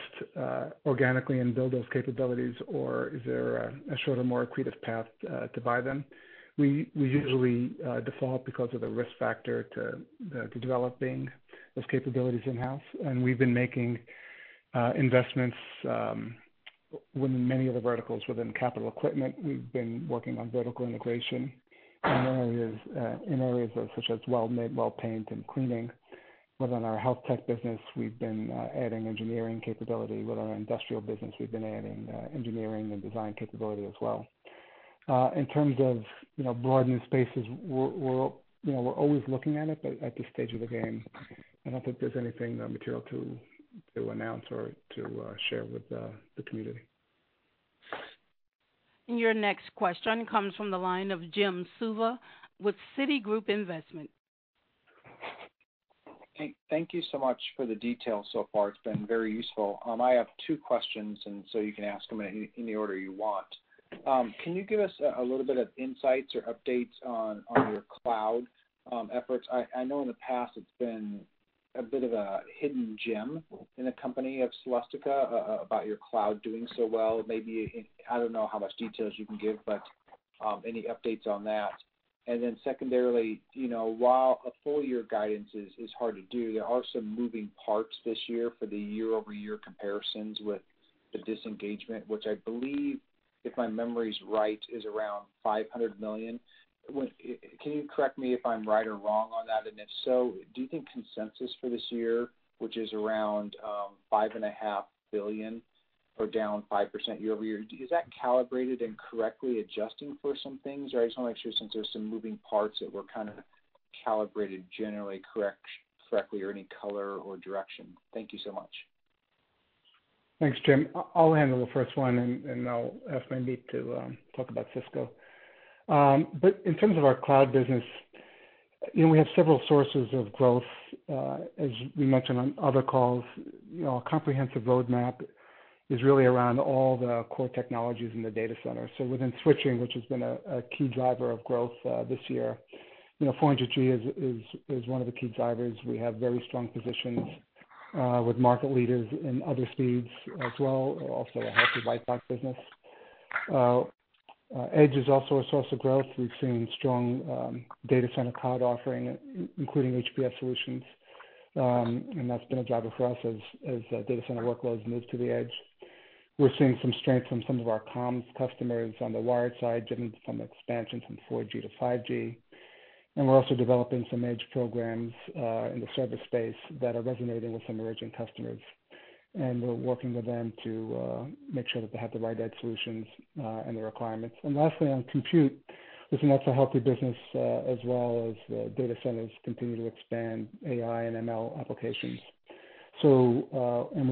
organically and build those capabilities, or is there a shorter, more accretive path to buy them? We usually default because of the risk factor to developing those capabilities in-house, and we've been making investments within many of the verticals within capital equipment. We've been working on vertical integration in areas such as weldments, paint, and cleaning. Within our Health Tech business, we've been adding engineering capability. With our industrial business, we've been adding engineering and design capability as well. In terms of broadening spaces, we're always looking at it, but at this stage of the game, I don't think there's anything material to announce or to share with the community. Your next question comes from the line of Jim Suva with Citigroup Investment. Thank you so much for the details so far. It's been very useful. I have two questions, and so you can ask them in any order you want. Can you give us a little bit of insights or updates on your cloud efforts? I know in the past it's been a bit of a hidden gem in the company of Celestica about your cloud doing so well. I don't know how much details you can give, but any updates on that? Secondarily, while a full year guidance is hard to do, there are some moving parts this year for the year-over-year comparisons with the disengagement, which I believe, if my memory's right, is around $500 million. Can you correct me if I'm right or wrong on that? If so, do you think consensus for this year, which is around $5.5 billion or down 5% year-over-year? Is that calibrated and correctly adjusting for some things? I just want to make sure since there's some moving parts that we're kind of calibrated generally correctly or any color or direction. Thank you so much. Thanks, Jim. I'll handle the first one, and then I'll ask Mandeep to talk about Cisco. In terms of our cloud business, we have several sources of growth. As we mentioned on other calls, our comprehensive roadmap is really around all the core technologies in the data center. Within switching, which has been a key driver of growth this year, 400G is one of the key drivers. We have very strong positions with market leaders in other speeds as well. Also a healthy white box business. Edge is also a source of growth. We've seen strong data center cloud offering, including HPS solutions. That's been a driver for us as data center workloads move to the edge. We're seeing some strength from some of our comms customers on the wired side, driven from expansion from 4G to 5G. We're also developing some edge programs in the server space that are resonating with some emerging customers. We're working with them to make sure that they have the right edge solutions and the requirements. Lastly, on compute, it's an also healthy business as well as data centers continue to expand AI and ML applications. We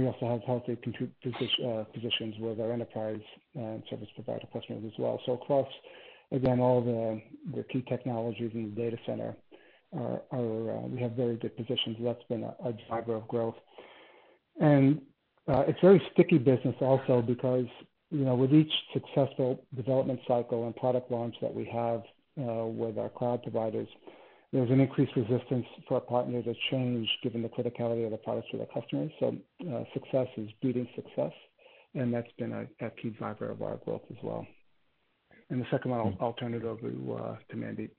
also have healthy compute positions with our enterprise service provider customers as well. Across, again, all the key technologies in the data center, we have very good positions. That's been a driver of growth. It's very sticky business also because, with each successful development cycle and product launch that we have with our cloud providers, there's an increased resistance for our partners to change, given the criticality of the products to their customers. Success is breeding success, and that's been a key driver of our growth as well. The second one, I'll turn it over to Mandeep.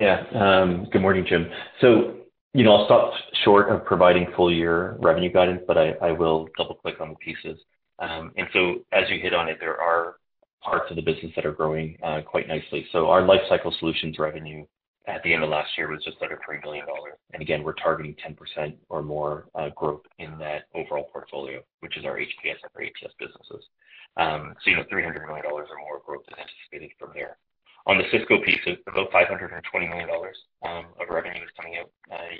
Yeah. Good morning, Jim. I'll stop short of providing full year revenue guidance, but I will double-click on the pieces. As you hit on it, there are parts of the business that are growing quite nicely. Our Life Cycle Solutions revenue at the end of last year was just under $3 billion. Again, we're targeting 10% or more growth in that overall portfolio, which is our HPS and our ATS businesses. $300 million or more of growth is anticipated from there. On the Cisco piece, about $520 million of revenue is coming out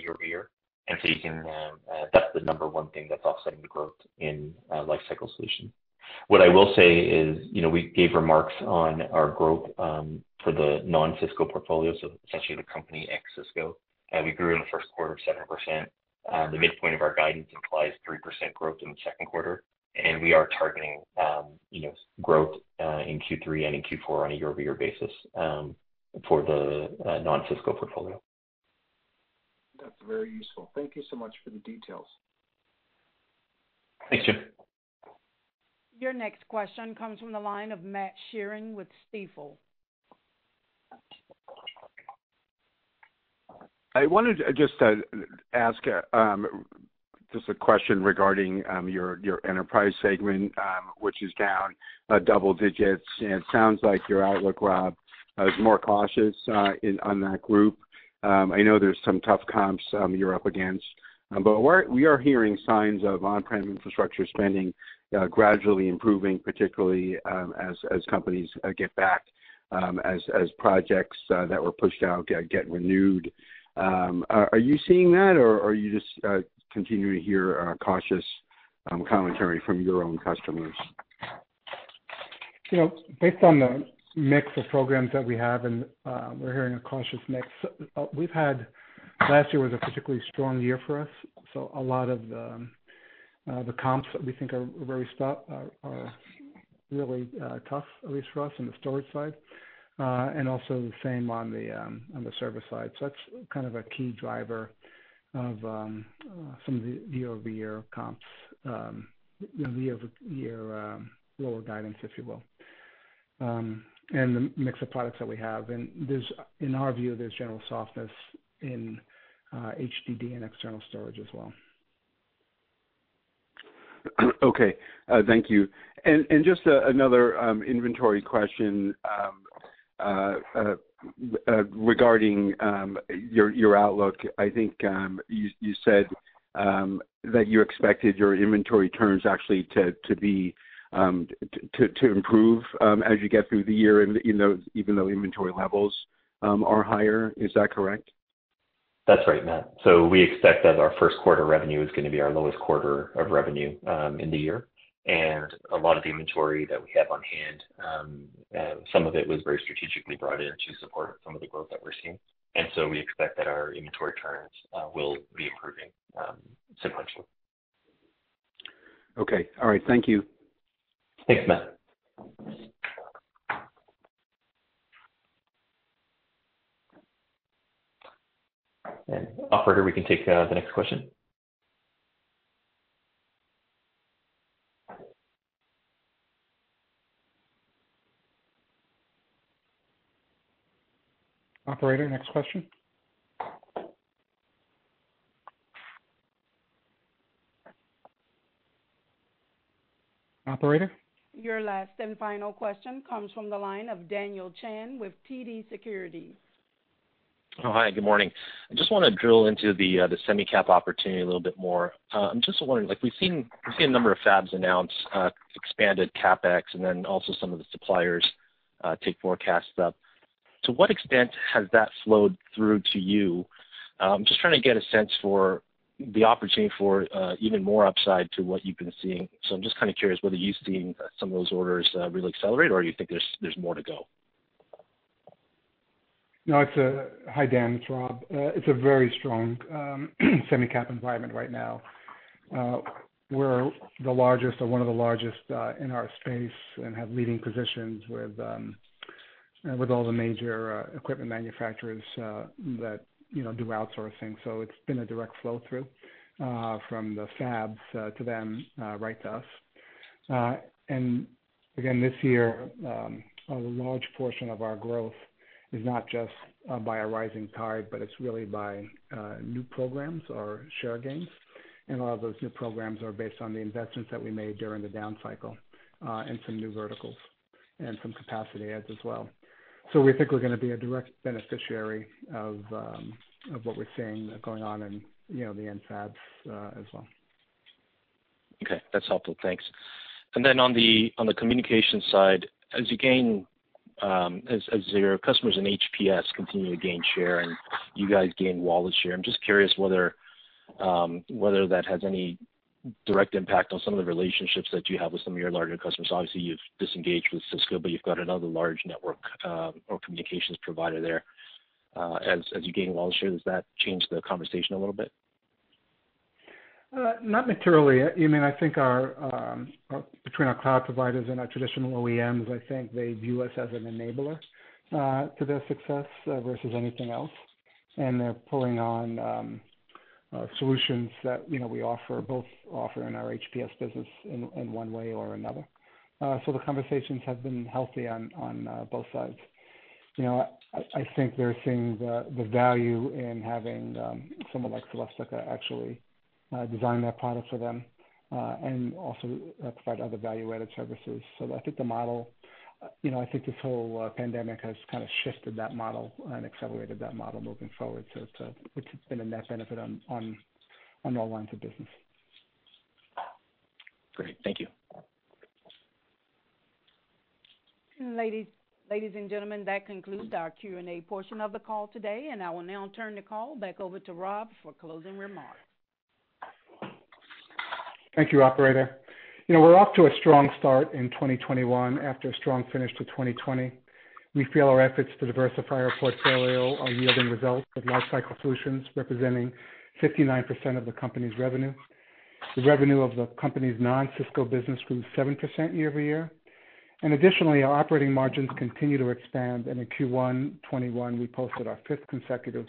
year-over-year. That's the number one thing that's offsetting the growth in Life Cycle Solutions. I will say is, we gave remarks on our growth for the non-Cisco portfolio, so essentially the company ex-Cisco. We grew in the first quarter 7%. The midpoint of our guidance implies 3% growth in the second quarter, and we are targeting growth in Q3 and in Q4 on a year-over-year basis for the non-Cisco portfolio. That's very useful. Thank you so much for the details. Thanks, Jim. Your next question comes from the line of Matthew Sheerin with Stifel. I wanted just to ask just a question regarding your enterprise segment, which is down double digits. It sounds like your outlook, Rob, is more cautious on that group. I know there's some tough comps you're up against, but we are hearing signs of on-premise infrastructure spending gradually improving, particularly as companies get back, as projects that were pushed out get renewed. Are you seeing that, or are you just continuing to hear cautious commentary from your own customers? Based on the mix of programs that we have, and we're hearing a cautious mix. Last year was a particularly strong year for us, so a lot of the comps that we think are really tough, at least for us in the storage side. Also the same on the server side. That's kind of a key driver of some of the year-over-year comps, the year-over-year lower guidance, if you will. The mix of products that we have, and in our view, there's general softness in HDD and external storage as well. Okay. Thank you. Just another inventory question regarding your outlook. I think you said that you expected your inventory turns actually to improve as you get through the year, even though inventory levels are higher. Is that correct? That's right, Matthew. We expect that our first quarter revenue is going to be our lowest quarter of revenue in the year. A lot of the inventory that we have on hand, some of it was very strategically brought in to support some of the growth that we're seeing. We expect that our inventory turns will be improving sequentially. Okay. All right. Thank you. Thanks, Matthew. Operator, we can take the next question. Operator, next question. Operator? Your last and final question comes from the line of Daniel Chan with TD Securities. Hi, good morning. I just want to drill into the semi-cap opportunity a little bit more. I'm just wondering, we've seen a number of fabs announce expanded CapEx, and then also some of the suppliers take forecasts up. To what extent has that flowed through to you? I'm just trying to get a sense for the opportunity for even more upside to what you've been seeing. I'm just kind of curious whether you've seen some of those orders really accelerate, or you think there's more to go. No. Hi, Daniel, it's Rob. It's a very strong semi cap environment right now. We're the largest or one of the largest in our space and have leading positions with all the major equipment manufacturers that do outsourcing. It's been a direct flow-through from the fabs to them, right to us. Again, this year, a large portion of our growth is not just by a rising tide, but it's really by new programs or share gains. A lot of those new programs are based on the investments that we made during the down cycle, and some new verticals and some capacity adds as well. We think we're going to be a direct beneficiary of what we're seeing going on in the end fabs as well. Okay. That's helpful. Thanks. On the communication side, as your customers in HPS continue to gain share and you guys gain wallet share, I'm just curious whether that has any direct impact on some of the relationships that you have with some of your larger customers. Obviously, you've disengaged with Cisco, but you've got another large network or communications provider there. As you gain wallet share, does that change the conversation a little bit? Not materially. I think between our cloud providers and our traditional original equipment manufacturers, I think they view us as an enabler to their success versus anything else. They're pulling on solutions that we offer, both offer in our HPS business in one way or another. The conversations have been healthy on both sides. I think they're seeing the value in having someone like Celestica actually design that product for them, and also provide other value-added services. I think this whole pandemic has kind of shifted that model and accelerated that model moving forward. It's been a net benefit on all lines of business. Great. Thank you. Ladies and gentlemen, that concludes our Q&A portion of the call today, and I will now turn the call back over to Rob for closing remarks. Thank you, operator. We're off to a strong start in 2021 after a strong finish to 2020. We feel our efforts to diversify our portfolio are yielding results, with Life Cycle Solutions representing 59% of the company's revenue. The revenue of the company's non-Cisco business grew 7% year-over-year. Additionally, our operating margins continue to expand, and in Q1 2021, we posted our fifth consecutive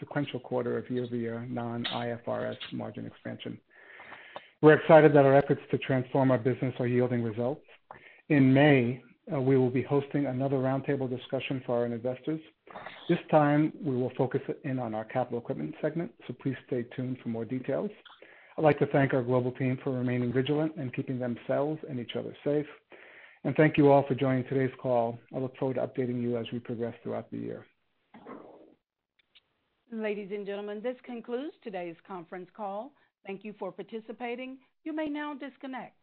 sequential quarter of year-over-year non-IFRS margin expansion. We're excited that our efforts to transform our business are yielding results. In May, we will be hosting another roundtable discussion for our investors. This time, we will focus in on our capital equipment segment, so please stay tuned for more details. I'd like to thank our global team for remaining vigilant and keeping themselves and each other safe. Thank you all for joining today's call. I look forward to updating you as we progress throughout the year. Ladies and gentlemen, this concludes today's conference call. Thank you for participating. You may now disconnect.